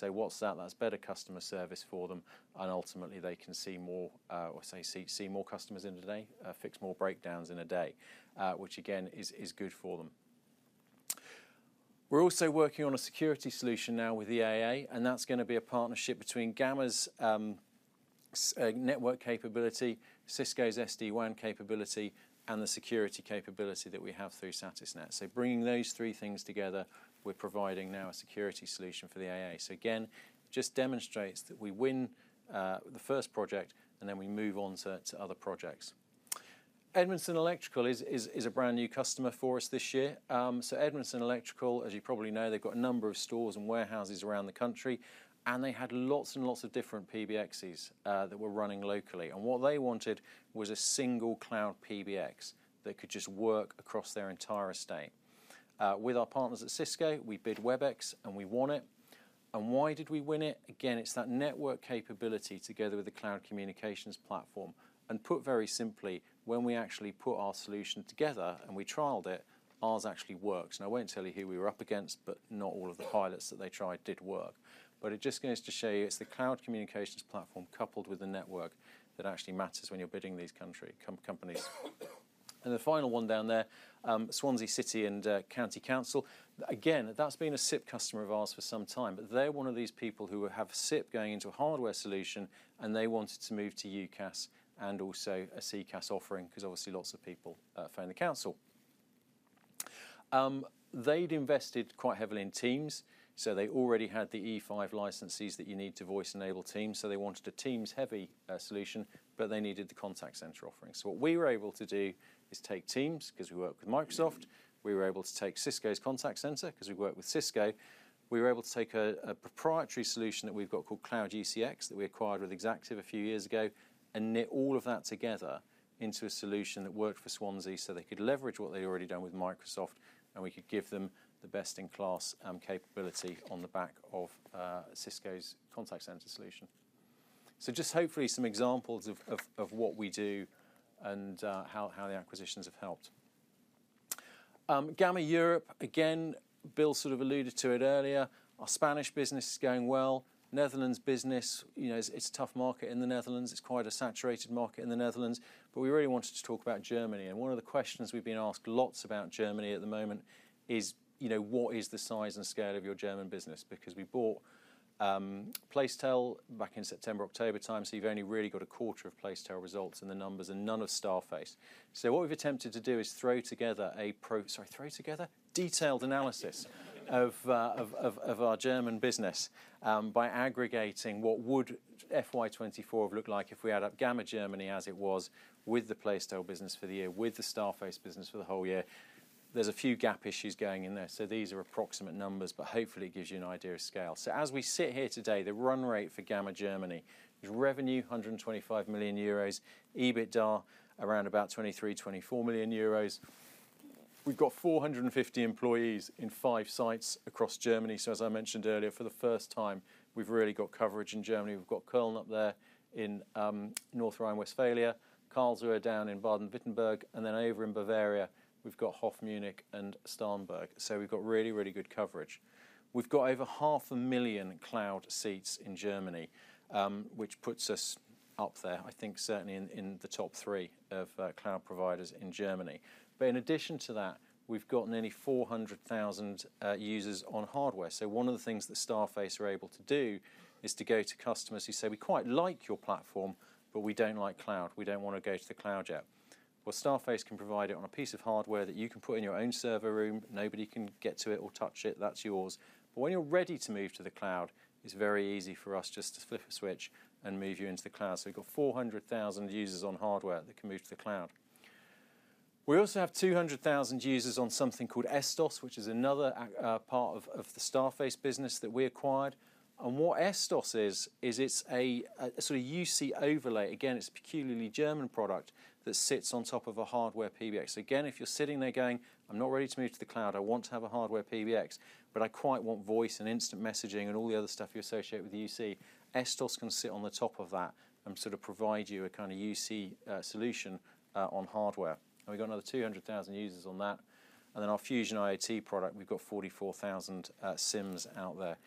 Speaker 1: What's that? That's better customer service for them. Ultimately, they can see more, or see more customers in a day, fix more breakdowns in a day, which again is good for them. We're also working on a security solution now with the AA, and that's going to be a partnership between Gamma's network capability, Cisco's SD-WAN capability, and the security capability that we have through Satisnet. Bringing those three things together, we're providing now a security solution for the AA. Again, just demonstrates that we win the first project and then we move on to other projects. Edmondson Electrical is a brand new customer for us this year. Edmondson Electrical, as you probably know, they've got a number of stores and warehouses around the country, and they had lots and lots of different PBXs that were running locally. What they wanted was a single cloud PBX that could just work across their entire estate. With our partners at Cisco, we bid Webex and we won it. Why did we win it? Again, it's that network capability together with the cloud communications platform. Put very simply, when we actually put our solution together and we trialed it, ours actually works. I won't tell you who we were up against, but not all of the pilots that they tried did work. It just goes to show you it's the cloud communications platform coupled with the network that actually matters when you're bidding these country companies. The final one down there, Swansea City and County Council. Again, that's been a SIP customer of ours for some time, but they're one of these people who have SIP going into a hardware solution, and they wanted to move to UCaaS and also a CCaaS offering because obviously lots of people phone the council. They'd invested quite heavily in Teams. They already had the E5 licenses that you need to voice enable Teams. They wanted a Teams-heavy solution, but they needed the contact center offering. What we were able to do is take Teams because we worked with Microsoft. We were able to take Cisco's contact center because we worked with Cisco. We were able to take a proprietary solution that we've got called Cloud UCX that we acquired with Exactive a few years ago and knit all of that together into a solution that worked for Swansea so they could leverage what they'd already done with Microsoft and we could give them the best in class capability on the back of Cisco's contact center solution. Just hopefully some examples of what we do and how the acquisitions have helped. Gamma Europe, again, Bill sort of alluded to it earlier. Our Spanish business is going well. Netherlands business, you know, it's a tough market in the Netherlands. It's quite a saturated market in the Netherlands. We really wanted to talk about Germany. One of the questions we've been asked lots about Germany at the moment is, you know, what is the size and scale of your German business? Because we bought Placetel back in September, October time. You've only really got a quarter of Placetel results and the numbers and none of Starface. What we've attempted to do is throw together a pro, sorry, throw together detailed analysis of our German business, by aggregating what would FY 2024 have looked like if we add up Gamma Germany as it was with the Placetel business for the year, with the Starface business for the whole year. There's a few gap issues going in there. These are approximate numbers, but hopefully it gives you an idea of scale. As we sit here today, the run rate for Gamma Germany is revenue, 125 million euros, EBITDA around about 23 million, 24 million euros. We've got 450 employees in five sites across Germany. As I mentioned earlier, for the first time, we've really got coverage in Germany. We've got Köln up there in North Rhine-Westphalia, Karlsruhe down in Baden-Württemberg, and then over in Bavaria, we've got HOF, Munich, and Starnberg. We've got really, really good coverage. We've got over 500,000 cloud seats in Germany, which puts us up there, I think certainly in the top three of cloud providers in Germany. In addition to that, we've got nearly 400,000 users on hardware. One of the things that Starface are able to do is to go to customers who say, "We quite like your platform, but we don't like cloud. We don't want to go to the cloud yet." Starface can provide it on a piece of hardware that you can put in your own server room. Nobody can get to it or touch it. That's yours. When you're ready to move to the cloud, it's very easy for us just to flip a switch and move you into the cloud. We've got 400,000 users on hardware that can move to the cloud. We also have 200,000 users on something called Estos, which is another part of the Starface business that we acquired. What Estos is, is a sort of UC overlay. Again, it's a peculiarly German product that sits on top of a hardware PBX. Again, if you're sitting there going, "I'm not ready to move to the cloud. I want to have a hardware PBX, but I quite want voice and instant messaging and all the other stuff you associate with UC," Estos can sit on the top of that and sort of provide you a kind of UC solution on hardware. We have another 200,000 users on that. Our Fusion IoT product has 44,000 SIMs out there.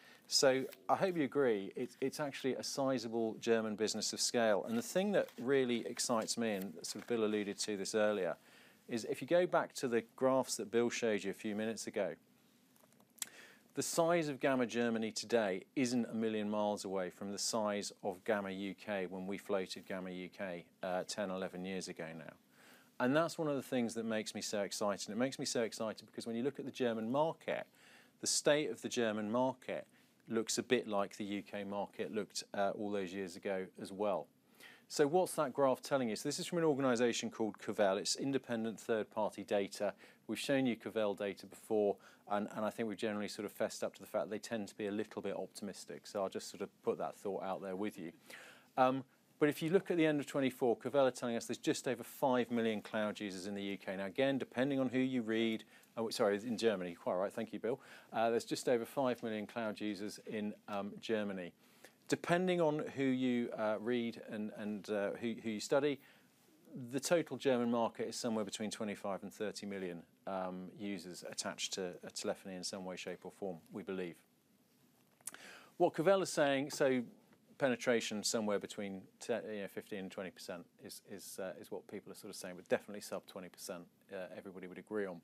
Speaker 1: I hope you agree. It is actually a sizable German business of scale. The thing that really excites me, and sort of Bill alluded to this earlier, is if you go back to the graphs that Bill showed you a few minutes ago, the size of Gamma Germany today is not a million miles away from the size of Gamma U.K. when we floated Gamma U.K., 10, 11 years ago now. That is one of the things that makes me so excited. It makes me so excited because when you look at the German market, the state of the German market looks a bit like the U.K. market looked all those years ago as well. What's that graph telling you? This is from an organization called Covel. It's independent third-party data. We've shown you Covel data before, and I think we've generally sort of fessed up to the fact that they tend to be a little bit optimistic. I'll just sort of put that thought out there with you. If you look at the end of 2024, Covel are telling us there's just over five million cloud users in the U.K. Now, again, depending on who you read—sorry, in Germany, quite right. Thank you, Bill. There's just over five million cloud users in Germany. Depending on who you read and who you study, the total German market is somewhere between 25 and 30 million users attached to a telephony in some way, shape, or form, we believe. What Covel are saying, so penetration somewhere between 15% and 20% is what people are sort of saying, but definitely sub 20% everybody would agree on.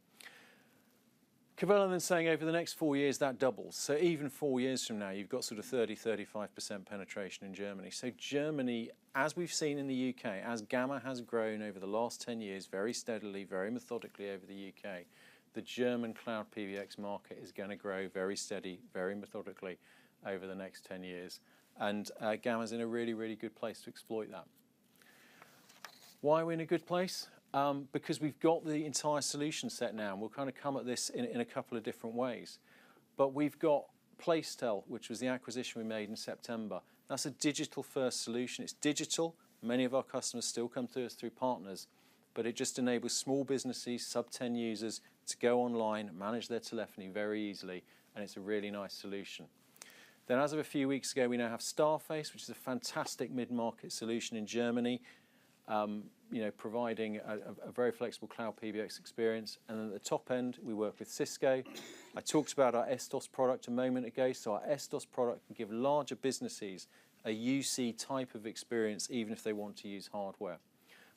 Speaker 1: Covel are then saying over the next four years that doubles. Even four years from now, you've got sort of 30%, 35% penetration in Germany. Germany, as we've seen in the U.K., as Gamma has grown over the last 10 years, very steadily, very methodically over the U.K., the German cloud PBX market is going to grow very steady, very methodically over the next 10 years. Gamma's in a really, really good place to exploit that. Why are we in a good place? Because we've got the entire solution set now, and we'll kind of come at this in a couple of different ways. We've got Placetel, which was the acquisition we made in September. That's a digital-first solution. It's digital. Many of our customers still come to us through partners, but it just enables small businesses, sub-10 users, to go online, manage their telephony very easily, and it's a really nice solution. As of a few weeks ago, we now have Starface, which is a fantastic mid-market solution in Germany, you know, providing a very flexible cloud PBX experience. At the top end, we work with Cisco. I talked about our Estos product a moment ago. Our Estos product can give larger businesses a UC type of experience, even if they want to use hardware.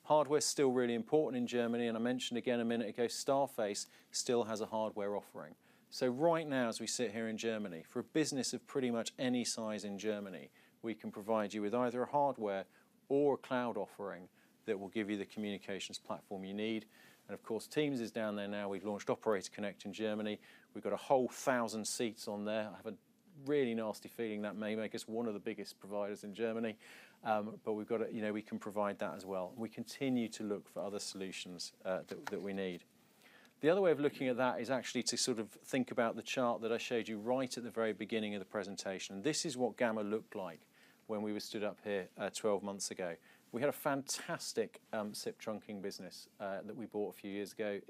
Speaker 1: Hardware's still really important in Germany. I mentioned again a minute ago, Starface still has a hardware offering. Right now, as we sit here in Germany, for a business of pretty much any size in Germany, we can provide you with either a hardware or a cloud offering that will give you the communications platform you need. Of course, Teams is down there now. We've launched Operator Connect in Germany. We've got a whole thousand seats on there. I have a really nasty feeling that may make us one of the biggest providers in Germany. We've got a, you know, we can provide that as well. We continue to look for other solutions that we need. The other way of looking at that is actually to sort of think about the chart that I showed you right at the very beginning of the presentation. This is what Gamma looked like when we were stood up here 12 months ago. We had a fantastic SIP trunking business that we bought a few years ago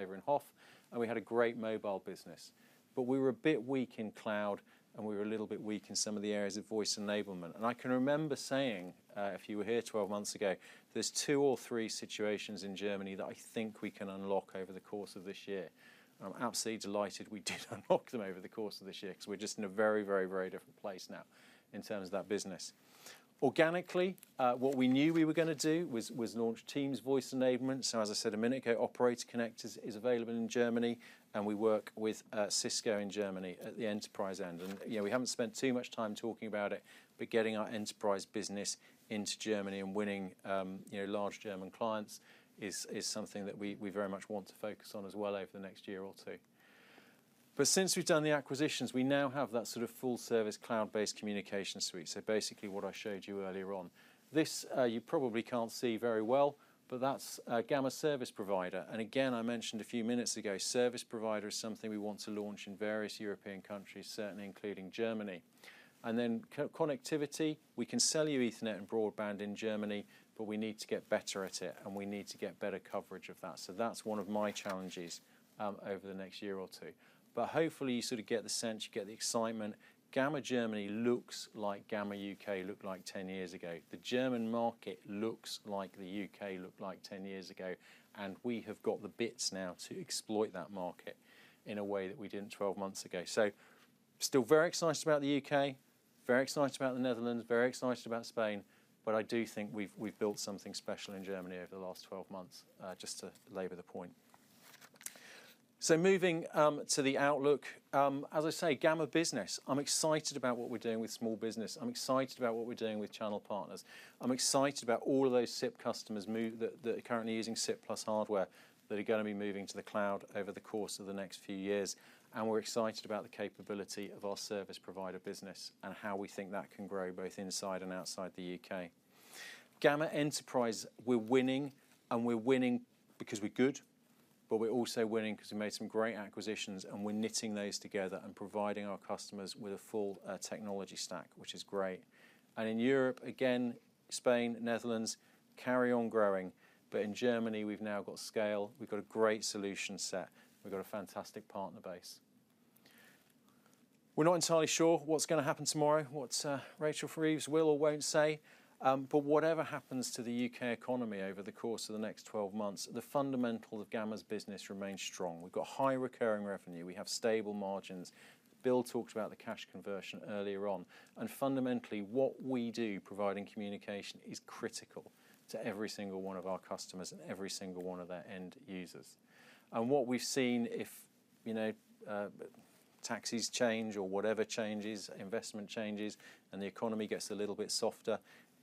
Speaker 1: over in HOF, and we had a great mobile business. We were a bit weak in cloud, and we were a little bit weak in some of the areas of voice enablement. I can remember saying, if you were here 12 months ago, there are two or three situations in Germany that I think we can unlock over the course of this year. I am absolutely delighted we did unlock them over the course of this year because we are just in a very, very, very different place now in terms of that business. Organically, what we knew we were going to do was launch Teams voice enablement. As I said a minute ago, Operator Connect is available in Germany, and we work with Cisco in Germany at the enterprise end. You know, we have not spent too much time talking about it, but getting our enterprise business into Germany and winning large German clients is something that we very much want to focus on as well over the next year or two. Since we have done the acquisitions, we now have that sort of full-service cloud-based communication suite. Basically what I showed you earlier on, this, you probably cannot see very well, but that is Gamma service provider. Again, I mentioned a few minutes ago, service provider is something we want to launch in various European countries, certainly including Germany. Connectivity, we can sell you Ethernet and broadband in Germany, but we need to get better at it, and we need to get better coverage of that. That is one of my challenges, over the next year or two. Hopefully you sort of get the sense, you get the excitement. Gamma Germany looks like Gamma U.K. looked like 10 years ago. The German market looks like the U.K. looked like 10 years ago, and we have got the bits now to exploit that market in a way that we did not 12 months ago. Still very excited about the U.K., very excited about the Netherlands, very excited about Spain, but I do think we have built something special in Germany over the last 12 months, just to labor the point. Moving to the outlook, as I say, Gamma business, I'm excited about what we're doing with small business. I'm excited about what we're doing with channel partners. I'm excited about all of those SIP customers that are currently using SIP+ hardware that are going to be moving to the cloud over the course of the next few years. We're excited about the capability of our service provider business and how we think that can grow both inside and outside the U.K. Gamma enterprise, we're winning, and we're winning because we're good, but we're also winning because we made some great acquisitions, and we're knitting those together and providing our customers with a full technology stack, which is great. In Europe, again, Spain, Netherlands carry on growing, but in Germany, we've now got scale. We've got a great solution set. We've got a fantastic partner base. We're not entirely sure what's going to happen tomorrow, what Rachel Reeves will or won't say, but whatever happens to the U.K. economy over the course of the next 12 months, the fundamentals of Gamma's business remain strong. We've got high recurring revenue. We have stable margins. Bill talked about the cash conversion earlier on. Fundamentally, what we do providing communication is critical to every single one of our customers and every single one of their end users. What we've seen, if, you know, taxes change or whatever changes, investment changes, and the economy gets a little bit softer,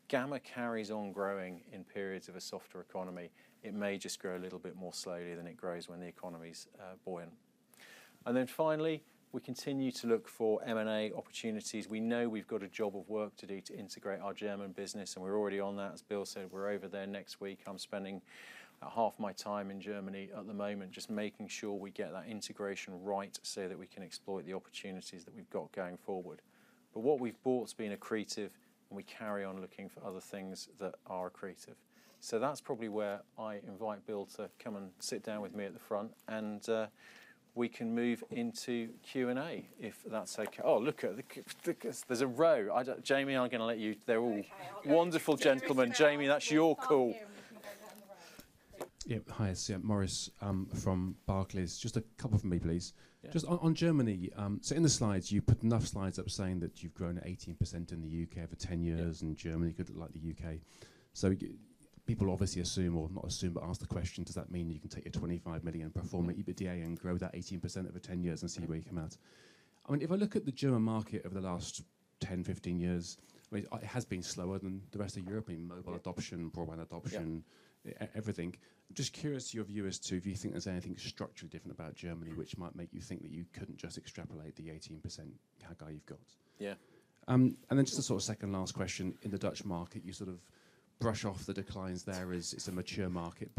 Speaker 1: Gamma carries on growing in periods of a softer economy. It may just grow a little bit more slowly than it grows when the economy's buoyant. Finally, we continue to look for M&A opportunities. We know we've got a job of work to do to integrate our German business, and we're already on that. As Bill said, we're over there next week. I'm spending about half my time in Germany at the moment just making sure we get that integration right so that we can exploit the opportunities that we've got going forward. What we've bought has been accretive, and we carry on looking for other things that are accretive. That's probably where I invite Bill to come and sit down with me at the front, and we can move into Q&A if that's okay. Oh, look at the, there's a row. I don't, Jamie, I'm going to let you. They're all wonderful gentlemen. Jamie, that's your call. Yep, hi, it's Morris, from Barclays. Just a couple for me, please. Just on Germany, in the slides, you put enough slides up saying that you've grown 18% in the U.K. over 10 years and Germany could look like the U.K. People obviously assume, or not assume, but ask the question, does that mean you can take your 25 million and perform an EBITDA and grow that 18% over 10 years and see where you come out? I mean, if I look at the German market over the last 10, 15 years, it has been slower than the rest of Europe, I mean, mobile adoption, broadband adoption, everything. Just curious your view as to if you think there's anything structurally different about Germany which might make you think that you couldn't just extrapolate the 18% kind of guy you've got. Yeah. and then just a sort of second last question. In the Dutch market, you sort of brush off the declines there as it's a mature market.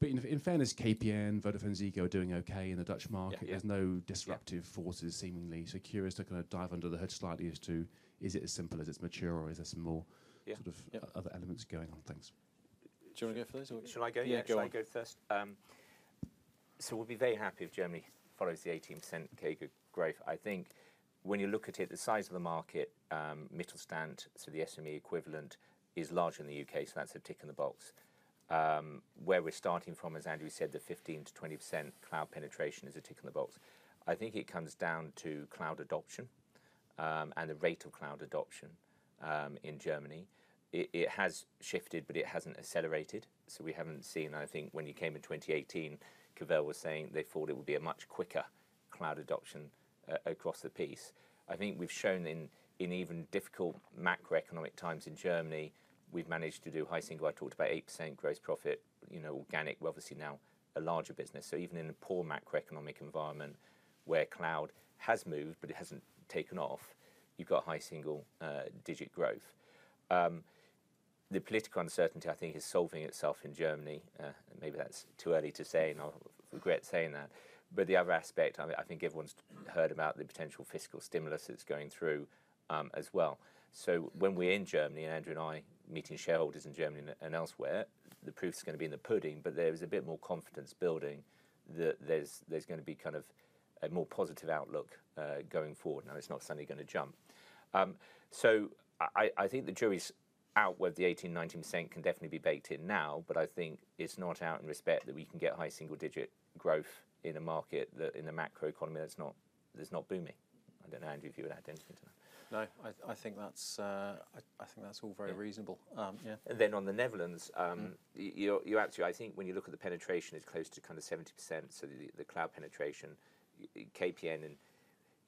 Speaker 1: In fairness, KPN, Vodafone Ziggo are doing okay in the Dutch market. There's no disruptive forces seemingly. Curious to kind of dive under the hood slightly as to is it as simple as it's mature or is there some more sort of other elements going on? Thanks. Do you want to go first or what?
Speaker 2: Should I go? Yeah, go ahead. I'll go first. We will be very happy if Germany follows the 18% KG growth. I think when you look at it, the size of the market, middle stand, so the SME equivalent is large in the U.K. So that's a tick in the box. Where we're starting from, as Andrew said, the 15% to 20% cloud penetration is a tick in the box. I think it comes down to cloud adoption, and the rate of cloud adoption, in Germany. It has shifted, but it hasn't accelerated. I think when you came in 2018, Covel was saying they thought it would be a much quicker cloud adoption, across the piece. I think we've shown in even difficult macroeconomic times in Germany, we've managed to do high single. I talked about 8% gross profit, you know, organic. We're obviously now a larger business. Even in a poor macroeconomic environment where cloud has moved, but it hasn't taken off, you've got high single-digit growth. The political uncertainty, I think, is solving itself in Germany. Maybe that's too early to say, and I'll regret saying that. The other aspect, I think everyone's heard about the potential fiscal stimulus that's going through, as well. When we're in Germany and Andrew and I meeting shareholders in Germany and elsewhere, the proof's going to be in the pudding, but there's a bit more confidence building that there's going to be kind of a more positive outlook, going forward. Now, it's not suddenly going to jump. I think the jury's out whether the 18%, 19% can definitely be baked in now, but I think it's not out in respect that we can get high single digit growth in a market that in the macro economy that's not booming. I don't know, Andrew, if you would add anything to that.
Speaker 1: No, I think that's all very reasonable. Yeah.
Speaker 2: And then on the Netherlands, you're actually, I think when you look at the penetration, it's close to kind of 70%. The cloud penetration, KPN and,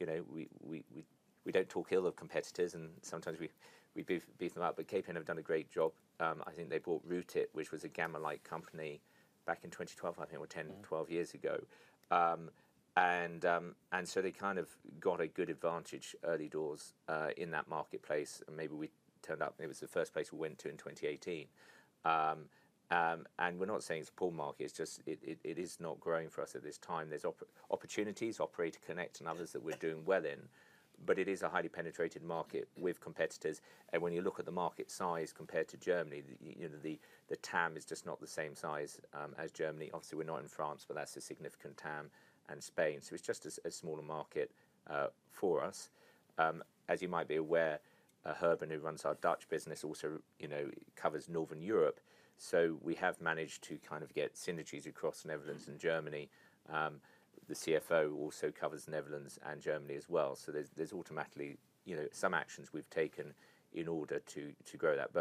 Speaker 2: you know, we don't talk ill of competitors and sometimes we beef them up, but KPN have done a great job. I think they bought Rootit, which was a Gamma-like company back in 2012, I think it was 10, 12 years ago, and so they kind of got a good advantage early doors in that marketplace. Maybe we turned up and it was the first place we went to in 2018. We're not saying it's a poor market. It's just it is not growing for us at this time. There's opportunities, Operator Connect and others that we're doing well in, but it is a highly penetrated market with competitors. When you look at the market size compared to Germany, you know, the TAM is just not the same size as Germany. Obviously, we're not in France, but that's a significant TAM and Spain. It's just a smaller market for us. As you might be aware, Herbern, who runs our Dutch business, also, you know, covers Northern Europe. We have managed to kind of get synergies across Netherlands and Germany. The CFO also covers Netherlands and Germany as well. There's automatically, you know, some actions we've taken in order to grow that.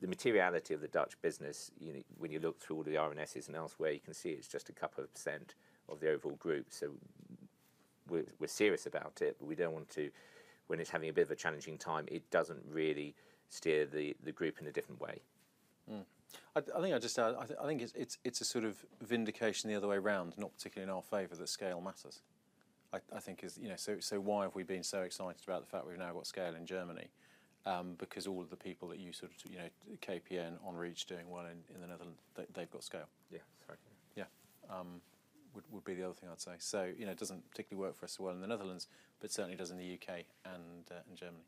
Speaker 2: The materiality of the Dutch business, you know, when you look through all the RNSs and elsewhere, you can see it's just a couple of percent of the overall group. We're serious about it, but we don't want to, when it's having a bit of a challenging time, it doesn't really steer the group in a different way.
Speaker 1: I think I just, I think it's a sort of vindication the other way around, not particularly in our favor that scale matters. I think is, you know, so why have we been so excited about the fact we've now got scale in Germany? Because all of the people that you sort of, you know, KPN, Enrich, doing well in the Netherlands, they've got scale.
Speaker 2: Yeah. Sorry.
Speaker 1: Yeah. Would be the other thing I'd say. You know, it doesn't particularly work for us well in the Netherlands, but certainly does in the U.K. and Germany.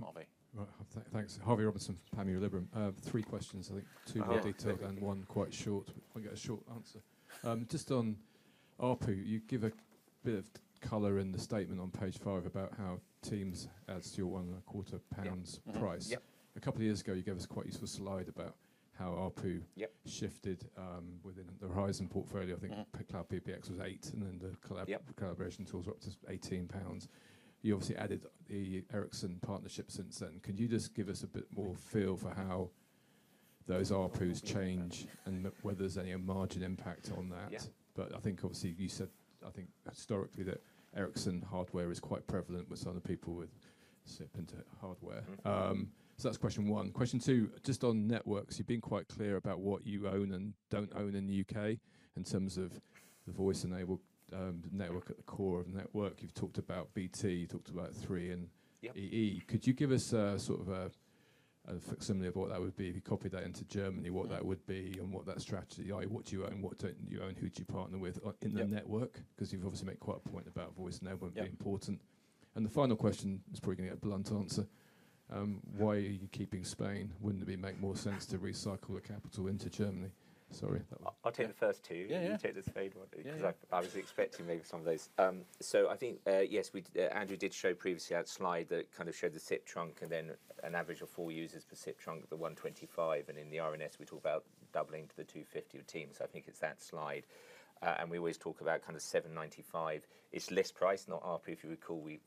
Speaker 3: Harvey. Thanks. Harvey Robinson, Panmure Liberum. Three questions, I think, two more detailed and one quite short. I'll get a short answer. Just on ARPU, you give a bit of color in the statement on page five about how Teams adds to your 1.25 pounds price. A couple of years ago, you gave us quite a useful slide about how ARPU shifted within the Horizon portfolio. I think Cloud PBX was 8, and then the collaboration tools were up to 18 pounds. You obviously added the Ericsson partnership since then. Could you just give us a bit more feel for how those ARPUs change and whether there's any margin impact on that? I think obviously you said, I think historically that Ericsson hardware is quite prevalent with some of the people with SIP into hardware. So that's question one. Question two, just on networks, you've been quite clear about what you own and don't own in the U.K. in terms of the voice enabled, network at the core of network. You've talked about BT, you've talked about Three and EE. Could you give us a sort of a facsimile of what that would be if you copy that into Germany, what that would be and what that strategy is? What do you own? What don't you own? Who do you partner with in the network? Because you've obviously made quite a point about voice enablement being important. The final question is probably going to get a blunt answer. Why are you keeping Spain? Wouldn't it make more sense to recycle the capital into Germany? Sorry.
Speaker 2: I'll take the first two.
Speaker 1: Yeah, yeah.
Speaker 2: Take the third one
Speaker 1: Yeah.
Speaker 2: Because I was expecting maybe some of those. I think, yes, we, Andrew did show previously that slide that kind of showed the SIP trunk and then an average of four users per SIP trunk at the 125. In the RNS, we talk about doubling to the 250 of Teams. I think it's that slide. We always talk about kind of 7.95. It's list price, not ARPU. If you recall, we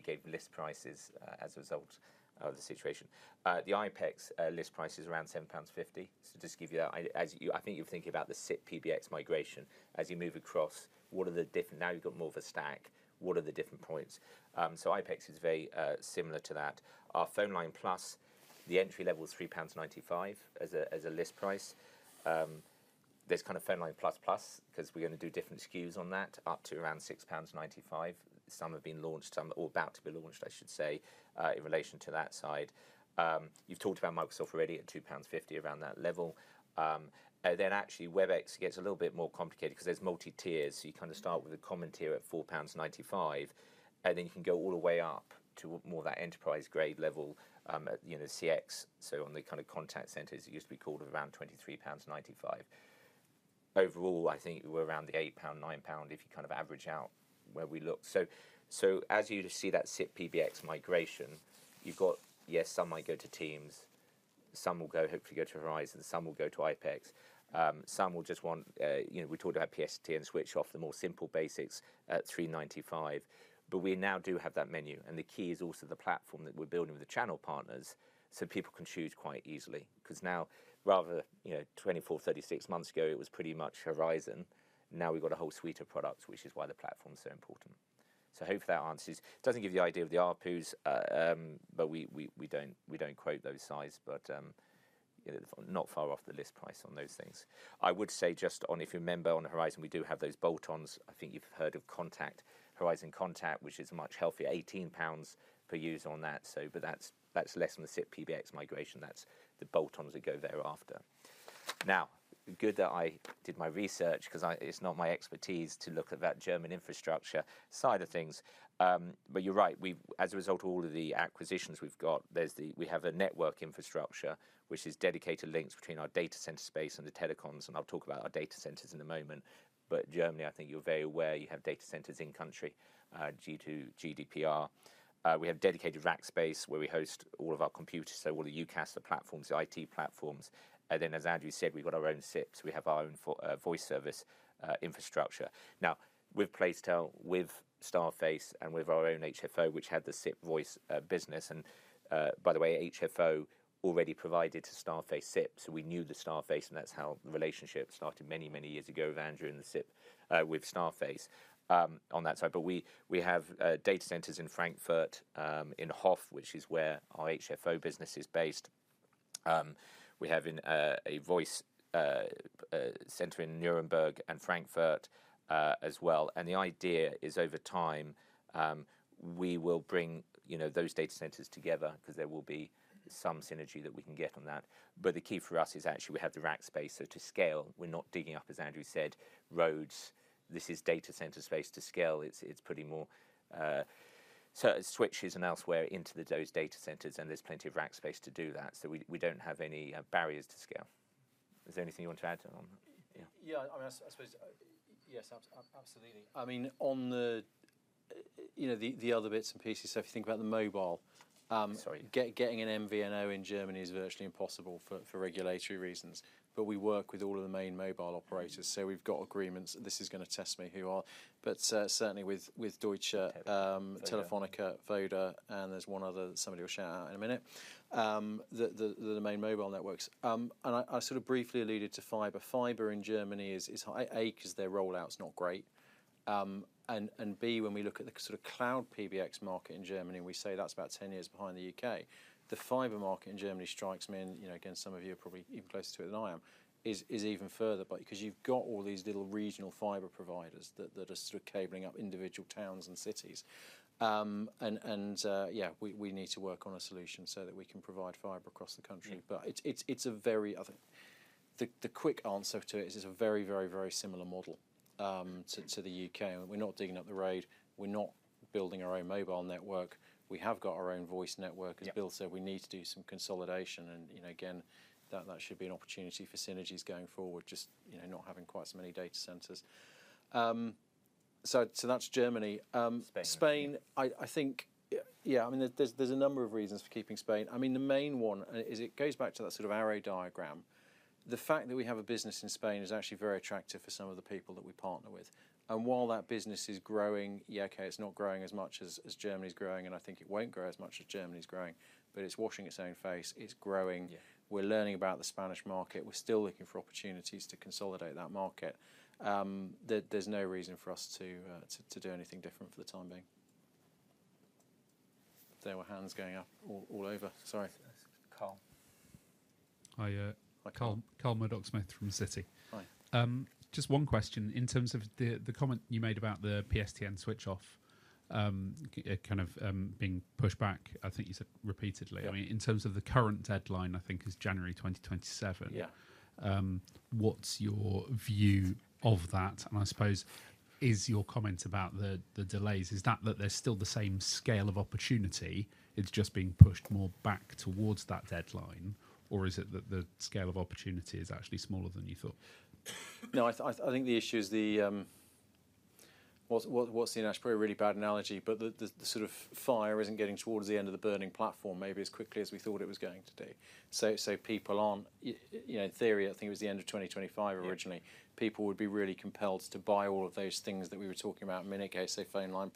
Speaker 2: gave list prices, as a result of the situation. The IPEX list price is around 7.50. Just to give you that idea, as you, I think you're thinking about the SIP PBX migration as you move across, what are the different, now you've got more of a stack, what are the different points? IPEX is very similar to that. Our PhoneLine+, the entry level is 3.95 as a list price. there's kind of PhoneLine++ because we're going to do different SKUs on that up to around 6.95 pounds. Some have been launched, some are about to be launched, I should say, in relation to that side. you've talked about Microsoft already at 2.50 pounds around that level. and then actually Webex gets a little bit more complicated because there's multi-tiers. You kind of start with a common tier at 4.95 pounds, and then you can go all the way up to more of that enterprise grade level, you know, CX. On the kind of contact centers, it used to be called around 23.95 pounds. Overall, I think we're around the 8 pound and 9 pound if you kind of average out where we look. As you just see that SIP PBX migration, you've got, yes, some might go to Teams, some will go, hopefully go to Horizon, some will go to IPEX. Some will just want, you know, we talked about PSTN switch off, the more simple basics at 3.95, but we now do have that menu. The key is also the platform that we're building with the channel partners so people can choose quite easily. Because now, rather, you know, 24, 36 months ago, it was pretty much Horizon. Now we've got a whole suite of products, which is why the platform's so important. Hopefully that answers, it doesn't give you the idea of the ARPUs, but we don't quote those sizes, but, you know, not far off the list price on those things. I would say just on, if you remember on Horizon, we do have those bolt-ons. I think you've heard of Contact, Horizon Contact, which is much healthier, 18 pounds per user on that. That's less than the SIP PBX migration. That's the bolt-ons that go thereafter. Good that I did my research because it's not my expertise to look at that German infrastructure side of things. You're right, as a result of all of the acquisitions we've got, we have a network infrastructure which is dedicated links between our data center space and the telecoms. I'll talk about our data centers in a moment. Germany, I think you're very aware, you have data centers in country, due to GDPR. We have dedicated rack space where we host all of our computers. All the UCaaS, the platforms, the IT platforms. As Andrew said, we've got our own SIPs. We have our own voice service infrastructure. Now, with Placetel, with Starface, and with our own HFO, which had the SIP voice business. By the way, HFO already provided to Starface SIP. We knew the Starface, and that's how the relationship started many, many years ago with Andrew and the SIP, with Starface, on that side. We have data centers in Frankfurt, in HOF, which is where our HFO business is based. We have a voice center in Nuremberg and Frankfurt as well. The idea is over time, we will bring those data centers together because there will be some synergy that we can get on that. The key for us is actually we have the rack space. To scale, we're not digging up, as Andrew said, roads. This is data center space to scale. It's putting more switches and elsewhere into those data centers. There's plenty of rack space to do that. We don't have any barriers to scale. Is there anything you want to add on that?
Speaker 1: Yeah. I mean, I suppose, yes, absolutely. On the other bits and pieces, if you think about the mobile, getting an MVNO in Germany is virtually impossible for regulatory reasons. We work with all of the main mobile operators. We've got agreements. This is going to test me who they are. Certainly with Deutsche, Telefonica, Voda, and there's one other that somebody will shout out in a minute, the main mobile networks. I sort of briefly alluded to fiber. Fiber in Germany is high A, because their rollout's not great, and B, when we look at the sort of cloud PBX market in Germany, and we say that's about 10 years behind the U.K., the fiber market in Germany strikes me and, you know, again, some of you are probably even closer to it than I am, is even further. Because you've got all these little regional fiber providers that are sort of cabling up individual towns and cities, and, yeah, we need to work on a solution so that we can provide fiber across the country. It's a very, I think the quick answer to it is it's a very, very, very similar model to the U.K. We're not digging up the road. We're not building our own mobile network. We have got our own voice network, as Bill said. We need to do some consolidation. You know, that should be an opportunity for synergies going forward, just not having quite so many data centers. That's Germany. Spain. Spain, I think, yeah, I mean, there's a number of reasons for keeping Spain. I mean, the main one, and it goes back to that sort of arrow diagram. The fact that we have a business in Spain is actually very attractive for some of the people that we partner with. While that business is growing, yeah, okay, it's not growing as much as Germany's growing, and I think it won't grow as much as Germany's growing, but it's washing its own face. It's growing. We're learning about the Spanish market. We're still looking for opportunities to consolidate that market. There's no reason for us to do anything different for the time being. There were hands going up all over. Sorry.
Speaker 4: Hi, Colm McDougsmith from Citi. Hi. Just one question in terms of the comment you made about the PSTN switch off, kind of being pushed back. I think you said repeatedly, I mean, in terms of the current deadline, I think is January 2027.
Speaker 2: Yeah.
Speaker 4: What's your view of that? I suppose is your comments about the delays, is that there's still the same scale of opportunity? It's just being pushed more back towards that deadline, or is it that the scale of opportunity is actually smaller than you thought?
Speaker 2: No, I think the issue is the, what's the, and that's probably a really bad analogy, but the sort of fire isn't getting towards the end of the burning platform maybe as quickly as we thought it was going to do. People aren't, you know, in theory, I think it was the end of 2025 originally, people would be really compelled to buy all of those things that we were talking about in Minikay, so PhoneLine+,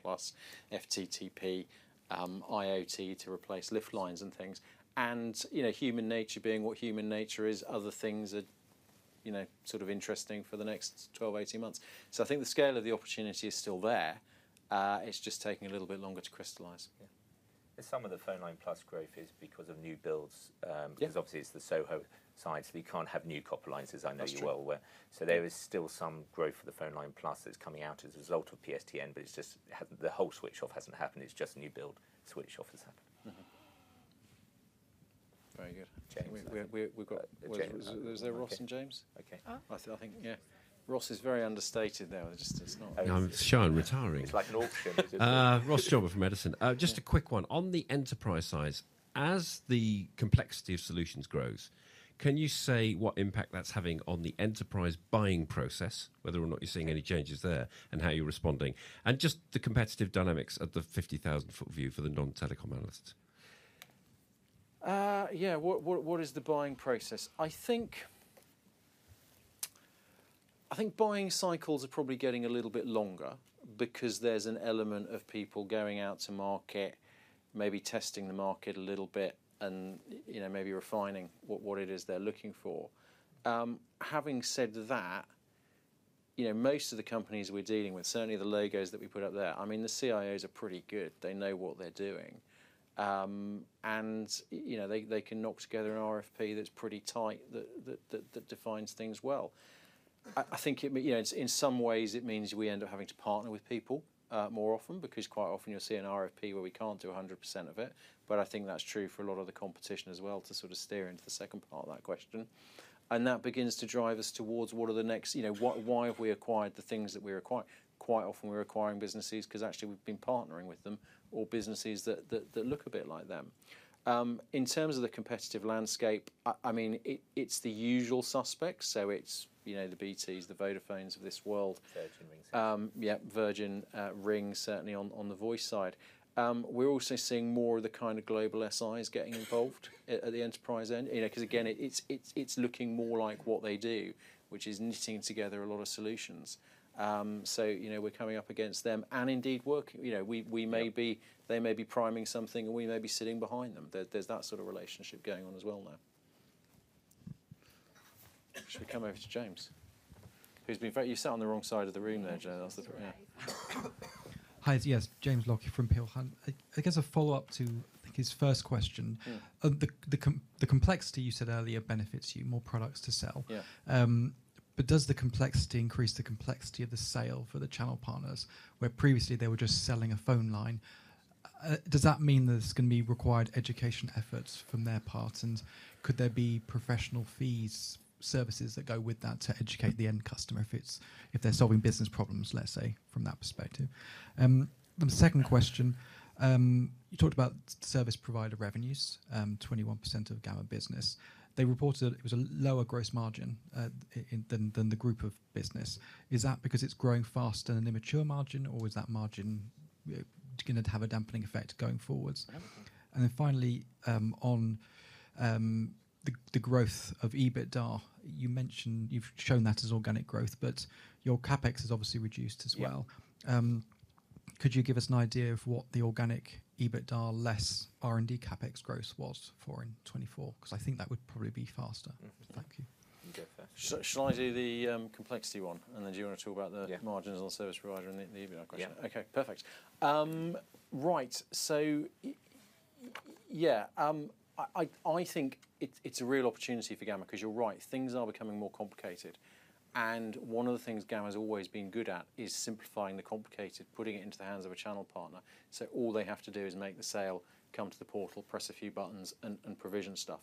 Speaker 2: FTTP, IoT to replace lift lines and things. And, you know, human nature being what human nature is, other things are, you know, sort of interesting for the next 12, 18 months. I think the scale of the opportunity is still there. It's just taking a little bit longer to crystallize. Yeah.
Speaker 1: Some of the PhoneLine+ growth is because of new builds, because obviously it's the Soho side, so you can't have new copper lines, as I know you well were. There is still some growth for the PhoneLine+ that's coming out as a result of PSTN, but it's just, the whole switch off hasn't happened. It's just new build switch off has happened.
Speaker 2: Very good. James. We've got, is there Ross and James? Okay. I said, I think, yeah. Ross is very understated there. It's just, it's not.
Speaker 5: And I'm Sean retiring. It's like an auction. Ross Jobber from Edison Group. Just a quick one on the enterprise side. As the complexity of solutions grows, can you say what impact that's having on the enterprise buying process, whether or not you're seeing any changes there and how you're responding and just the competitive dynamics at the 50,000 foot view for the non-telecom analysts?
Speaker 2: Yeah, what is the buying process? I think buying cycles are probably getting a little bit longer because there's an element of people going out to market, maybe testing the market a little bit and, you know, maybe refining what it is they're looking for. Having said that, you know, most of the companies we're dealing with, certainly the logos that we put up there, I mean, the CIOs are pretty good. They know what they're doing. You know, they can knock together an RFP that's pretty tight that defines things well. I think it, you know, in some ways it means we end up having to partner with people more often because quite often you'll see an RFP where we can't do 100% of it. I think that's true for a lot of the competition as well to sort of steer into the second part of that question. That begins to drive us towards what are the next, you know, what, why have we acquired the things that we require? Quite often we're acquiring businesses because actually we've been partnering with them or businesses that look a bit like them. In terms of the competitive landscape, I mean, it's the usual suspects. It's the BTs, the Vodafones of this world.
Speaker 1: Virgin Rings.
Speaker 2: Yeah, Virgin Rings, certainly on the voice side. We're also seeing more of the kind of global SIs getting involved at the enterprise end, you know, because again, it's looking more like what they do, which is knitting together a lot of solutions. You know, we're coming up against them and indeed working, you know, we may be, they may be priming something and we may be sitting behind them. There's that sort of relationship going on as well now. Should we come over to James? Who's been very, you sat on the wrong side of the room there, Joe. That's the problem.
Speaker 6: Hi, yes, James Lockyer from Peel Hunt. I guess a follow-up to, I think, his first question. The complexity you said earlier benefits you, more products to sell.
Speaker 2: Yeah.
Speaker 6: Does the complexity increase the complexity of the sale for the channel partners where previously they were just selling a phone line? Does that mean that it's going to be required education efforts from their parts? Could there be professional fees, services that go with that to educate the end customer if they're solving business problems, let's say, from that perspective? The second question, you talked about service provider revenues, 21% of Gamma business. They reported it was a lower gross margin than the group of business. Is that because it's growing faster than an immature margin or is that margin going to have a dampening effect going forwards? Finally, on the growth of EBITDA, you mentioned you've shown that as organic growth, but your CapEx has obviously reduced as well. Could you give us an idea of what the organic EBITDA less R&D CapEx growth was for in 2024? Because I think that would probably be faster. Thank you.
Speaker 1: Should I do the complexity one? Do you want to talk about the margins on the service provider and the EBITDA question?
Speaker 2: Yeah.
Speaker 1: Okay, perfect. Right. I think it's a real opportunity for Gamma because you're right, things are becoming more complicated. One of the things Gamma has always been good at is simplifying the complicated, putting it into the hands of a channel partner. All they have to do is make the sale, come to the portal, press a few buttons, and provision stuff.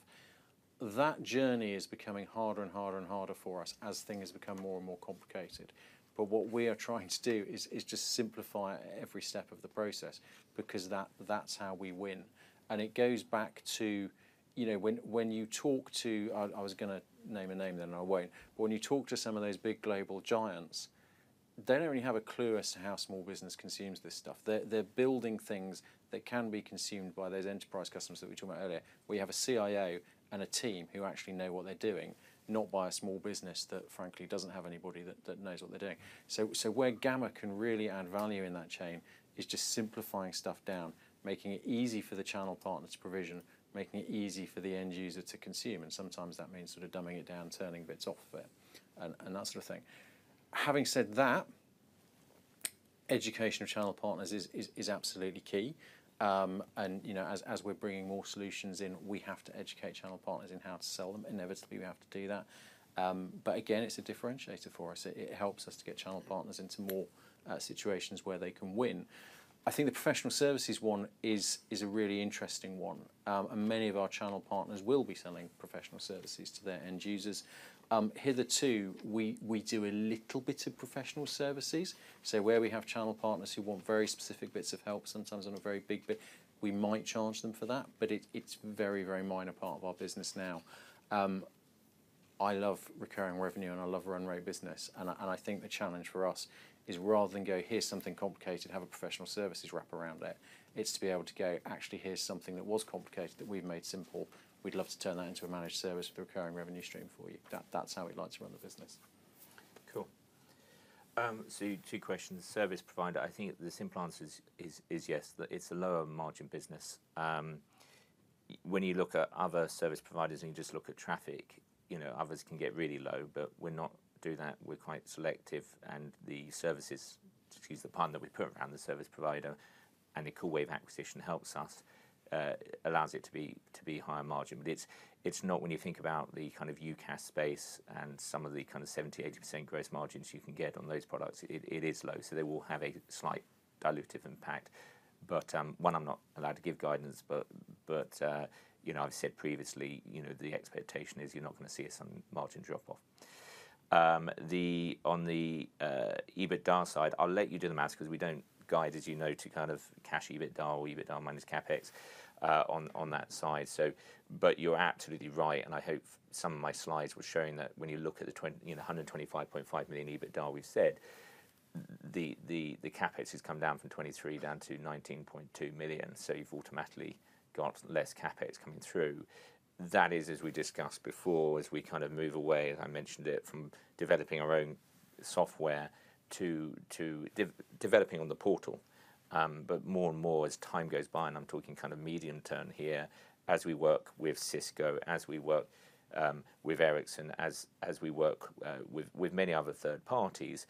Speaker 1: That journey is becoming harder and harder and harder for us as things become more and more complicated. What we are trying to do is just simplify every step of the process because that is how we win. It goes back to, you know, when you talk to, I was going to name a name then I will not, but when you talk to some of those big global giants, they do not really have a clue as to how small business consumes this stuff. They are building things that can be consumed by those enterprise customers that we talked about earlier. We have a CIO and a team who actually know what they are doing, not by a small business that frankly does not have anybody that knows what they are doing. Where Gamma can really add value in that chain is just simplifying stuff down, making it easy for the channel partner to provision, making it easy for the end user to consume. Sometimes that means sort of dumbing it down, turning bits off of it, and that sort of thing. Having said that, education of channel partners is absolutely key. You know, as we are bringing more solutions in, we have to educate channel partners in how to sell them. Inevitably, we have to do that. Again, it is a differentiator for us. It helps us to get channel partners into more situations where they can win. I think the professional services one is a really interesting one. Many of our channel partners will be selling professional services to their end users. Hitherto, we do a little bit of professional services. Where we have channel partners who want very specific bits of help, sometimes on a very big bit, we might charge them for that, but it's very, very minor part of our business now. I love recurring revenue and I love run rate business. I think the challenge for us is rather than go, here's something complicated, have a professional services wrap around it, it's to be able to go, actually, here's something that was complicated that we've made simple. We'd love to turn that into a managed service with a recurring revenue stream for you. That's how we'd like to run the business.
Speaker 2: Cool. Two questions. Service provider, I think the simple answer is yes, that it's a lower margin business. When you look at other service providers and you just look at traffic, you know, others can get really low, but we're not doing that. We're quite selective and the services, excuse the pun, that we put around the service provider and the Callwave acquisition helps us, allows it to be, to be higher margin. It is not, when you think about the kind of UCaaS space and some of the kind of 70% to 80% gross margins you can get on those products, it is low. They will have a slight dilutive impact. One, I'm not allowed to give guidance, but, you know, I've said previously, the expectation is you're not going to see a sudden margin drop off. On the EBITDA side, I'll let you do the math because we don't guide, as you know, to kind of cash EBITDA or EBITDA minus CapEx on that side. You're absolutely right. I hope some of my slides were showing that when you look at the 2023, you know, 125.5 million EBITDA we've said, the CapEx has come down from 23 million down to 19.2 million. You've automatically got less CapEx coming through. That is, as we discussed before, as we kind of move away, as I mentioned it, from developing our own software to developing on the portal. More and more as time goes by, and I'm talking kind of medium term here, as we work with Cisco, as we work with Ericsson, as we work with many other third parties,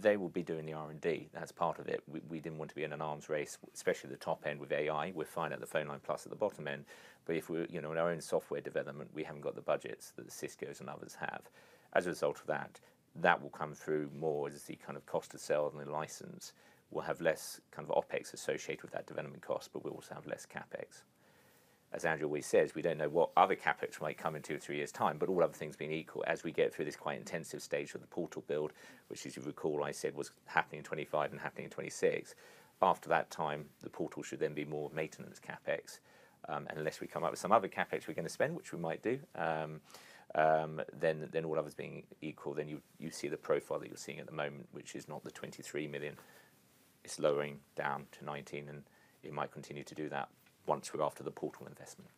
Speaker 2: they will be doing the R&D. That's part of it. We didn't want to be in an arms race, especially the top end with AI. We're fine at the PhoneLine+ at the bottom end, but if we're, you know, in our own software development, we haven't got the budgets that Cisco's and others have. As a result of that, that will come through more as the kind of cost of sale and the license will have less kind of OpEx associated with that development cost, but we'll also have less CapEx. As Andrew always says, we don't know what other CapEx might come in two or three years' time, but all other things being equal, as we get through this quite intensive stage of the portal build, which, as you recall, I said was happening in 2025 and happening in 2026. After that time, the portal should then be more maintenance CapEx. Unless we come up with some other CapEx we're going to spend, which we might do, then all others being equal, you see the profile that you're seeing at the moment, which is not the 23 million. It's lowering down to 19, and it might continue to do that once we're after the portal investment.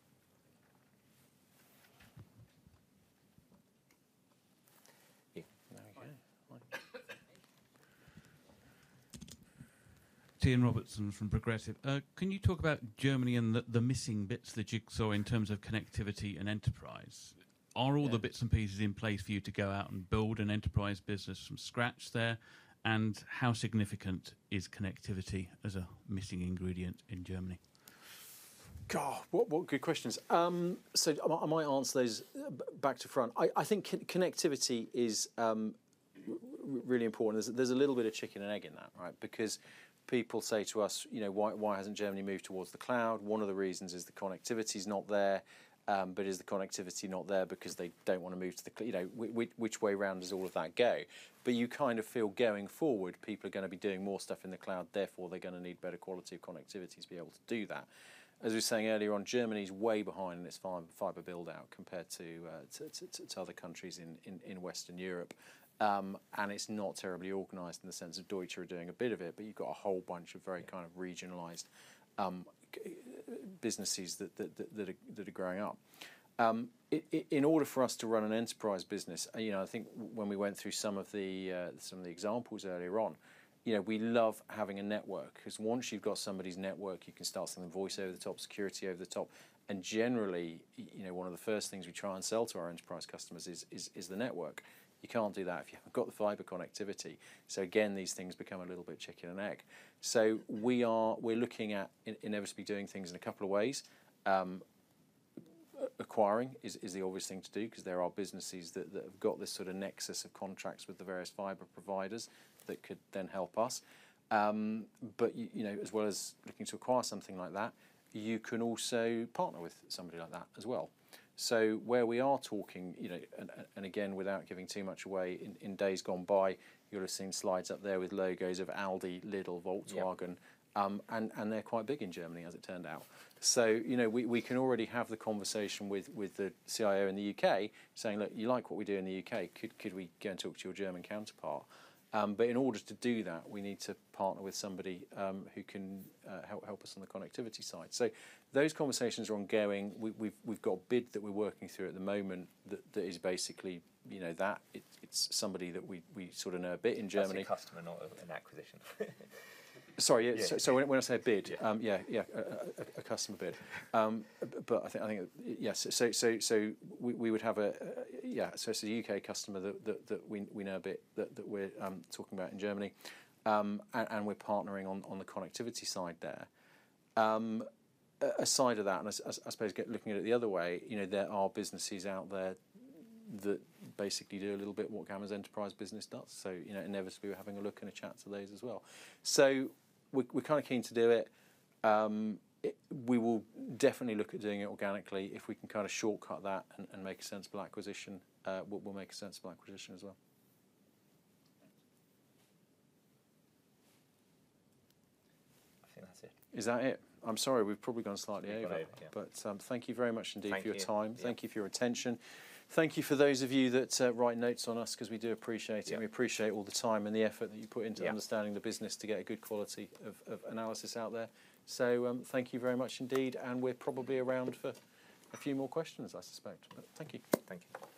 Speaker 7: Tim Robertson from Progressive Insurance. Can you talk about Germany and the missing bits that you saw in terms of connectivity and enterprise? Are all the bits and pieces in place for you to go out and build an enterprise business from scratch there? How significant is connectivity as a missing ingredient in Germany?
Speaker 2: What good questions. I might answer those back to front. I think connectivity is really important. There's a little bit of chicken and egg in that, right? Because people say to us, you know, why, why hasn't Germany moved towards the cloud? One of the reasons is the connectivity is not there. Is the connectivity not there because they do not want to move to the, you know, which way round does all of that go? You kind of feel going forward, people are going to be doing more stuff in the cloud. Therefore, they are going to need better quality of connectivity to be able to do that. As we were saying earlier on, Germany is way behind in its fiber buildout compared to other countries in Western Europe. It is not terribly organized in the sense of Deutsche are doing a bit of it, but you have got a whole bunch of very kind of regionalized businesses that are growing up. In order for us to run an enterprise business, you know, I think when we went through some of the, some of the examples earlier on, you know, we love having a network because once you've got somebody's network, you can start sending voice over the top, security over the top. Generally, you know, one of the first things we try and sell to our enterprise customers is the network. You can't do that if you haven't got the fiber connectivity. These things become a little bit chicken and egg. We are looking at inevitably doing things in a couple of ways. Acquiring is the obvious thing to do because there are businesses that have got this sort of nexus of contracts with the various fiber providers that could then help us. but you know, as well as looking to acquire something like that, you can also partner with somebody like that as well. Where we are talking, you know, and again, without giving too much away, in days gone by, you'll have seen slides up there with logos of Aldi, Lidl, Volkswagen. And they're quite big in Germany, as it turned out. You know, we can already have the conversation with the CIO in the U.K. saying, look, you like what we do in the U.K., could we go and talk to your German counterpart? In order to do that, we need to partner with somebody who can help us on the connectivity side. Those conversations are ongoing. We've got a bid that we're working through at the moment that is basically, you know, it's somebody that we sort of know a bit in Germany.
Speaker 7: Customer, not an acquisition.
Speaker 2: Sorry. When I say a bid, yeah, a customer bid. I think, yes. We would have a, yeah, it's a U.K. customer that we know a bit that we're talking about in Germany, and we're partnering on the connectivity side there. Aside of that, and I suppose looking at it the other way, you know, there are businesses out there that basically do a little bit of what Gamma's enterprise business does. You know, inevitably we're having a look and a chat to those as well. We're kind of keen to do it. We will definitely look at doing it organically. If we can kind of shortcut that and make a sensible acquisition, we'll make a sensible acquisition as well.
Speaker 7: I think that's it.
Speaker 2: Is that it? I'm sorry, we've probably gone slightly over. Thank you very much indeed for your time. Thank you for your attention. Thank you for those of you that write notes on us because we do appreciate it. We appreciate all the time and the effort that you put into understanding the business to get a good quality of analysis out there. Thank you very much indeed. We're probably around for a few more questions, I suspect. Thank you.
Speaker 1: Thank you.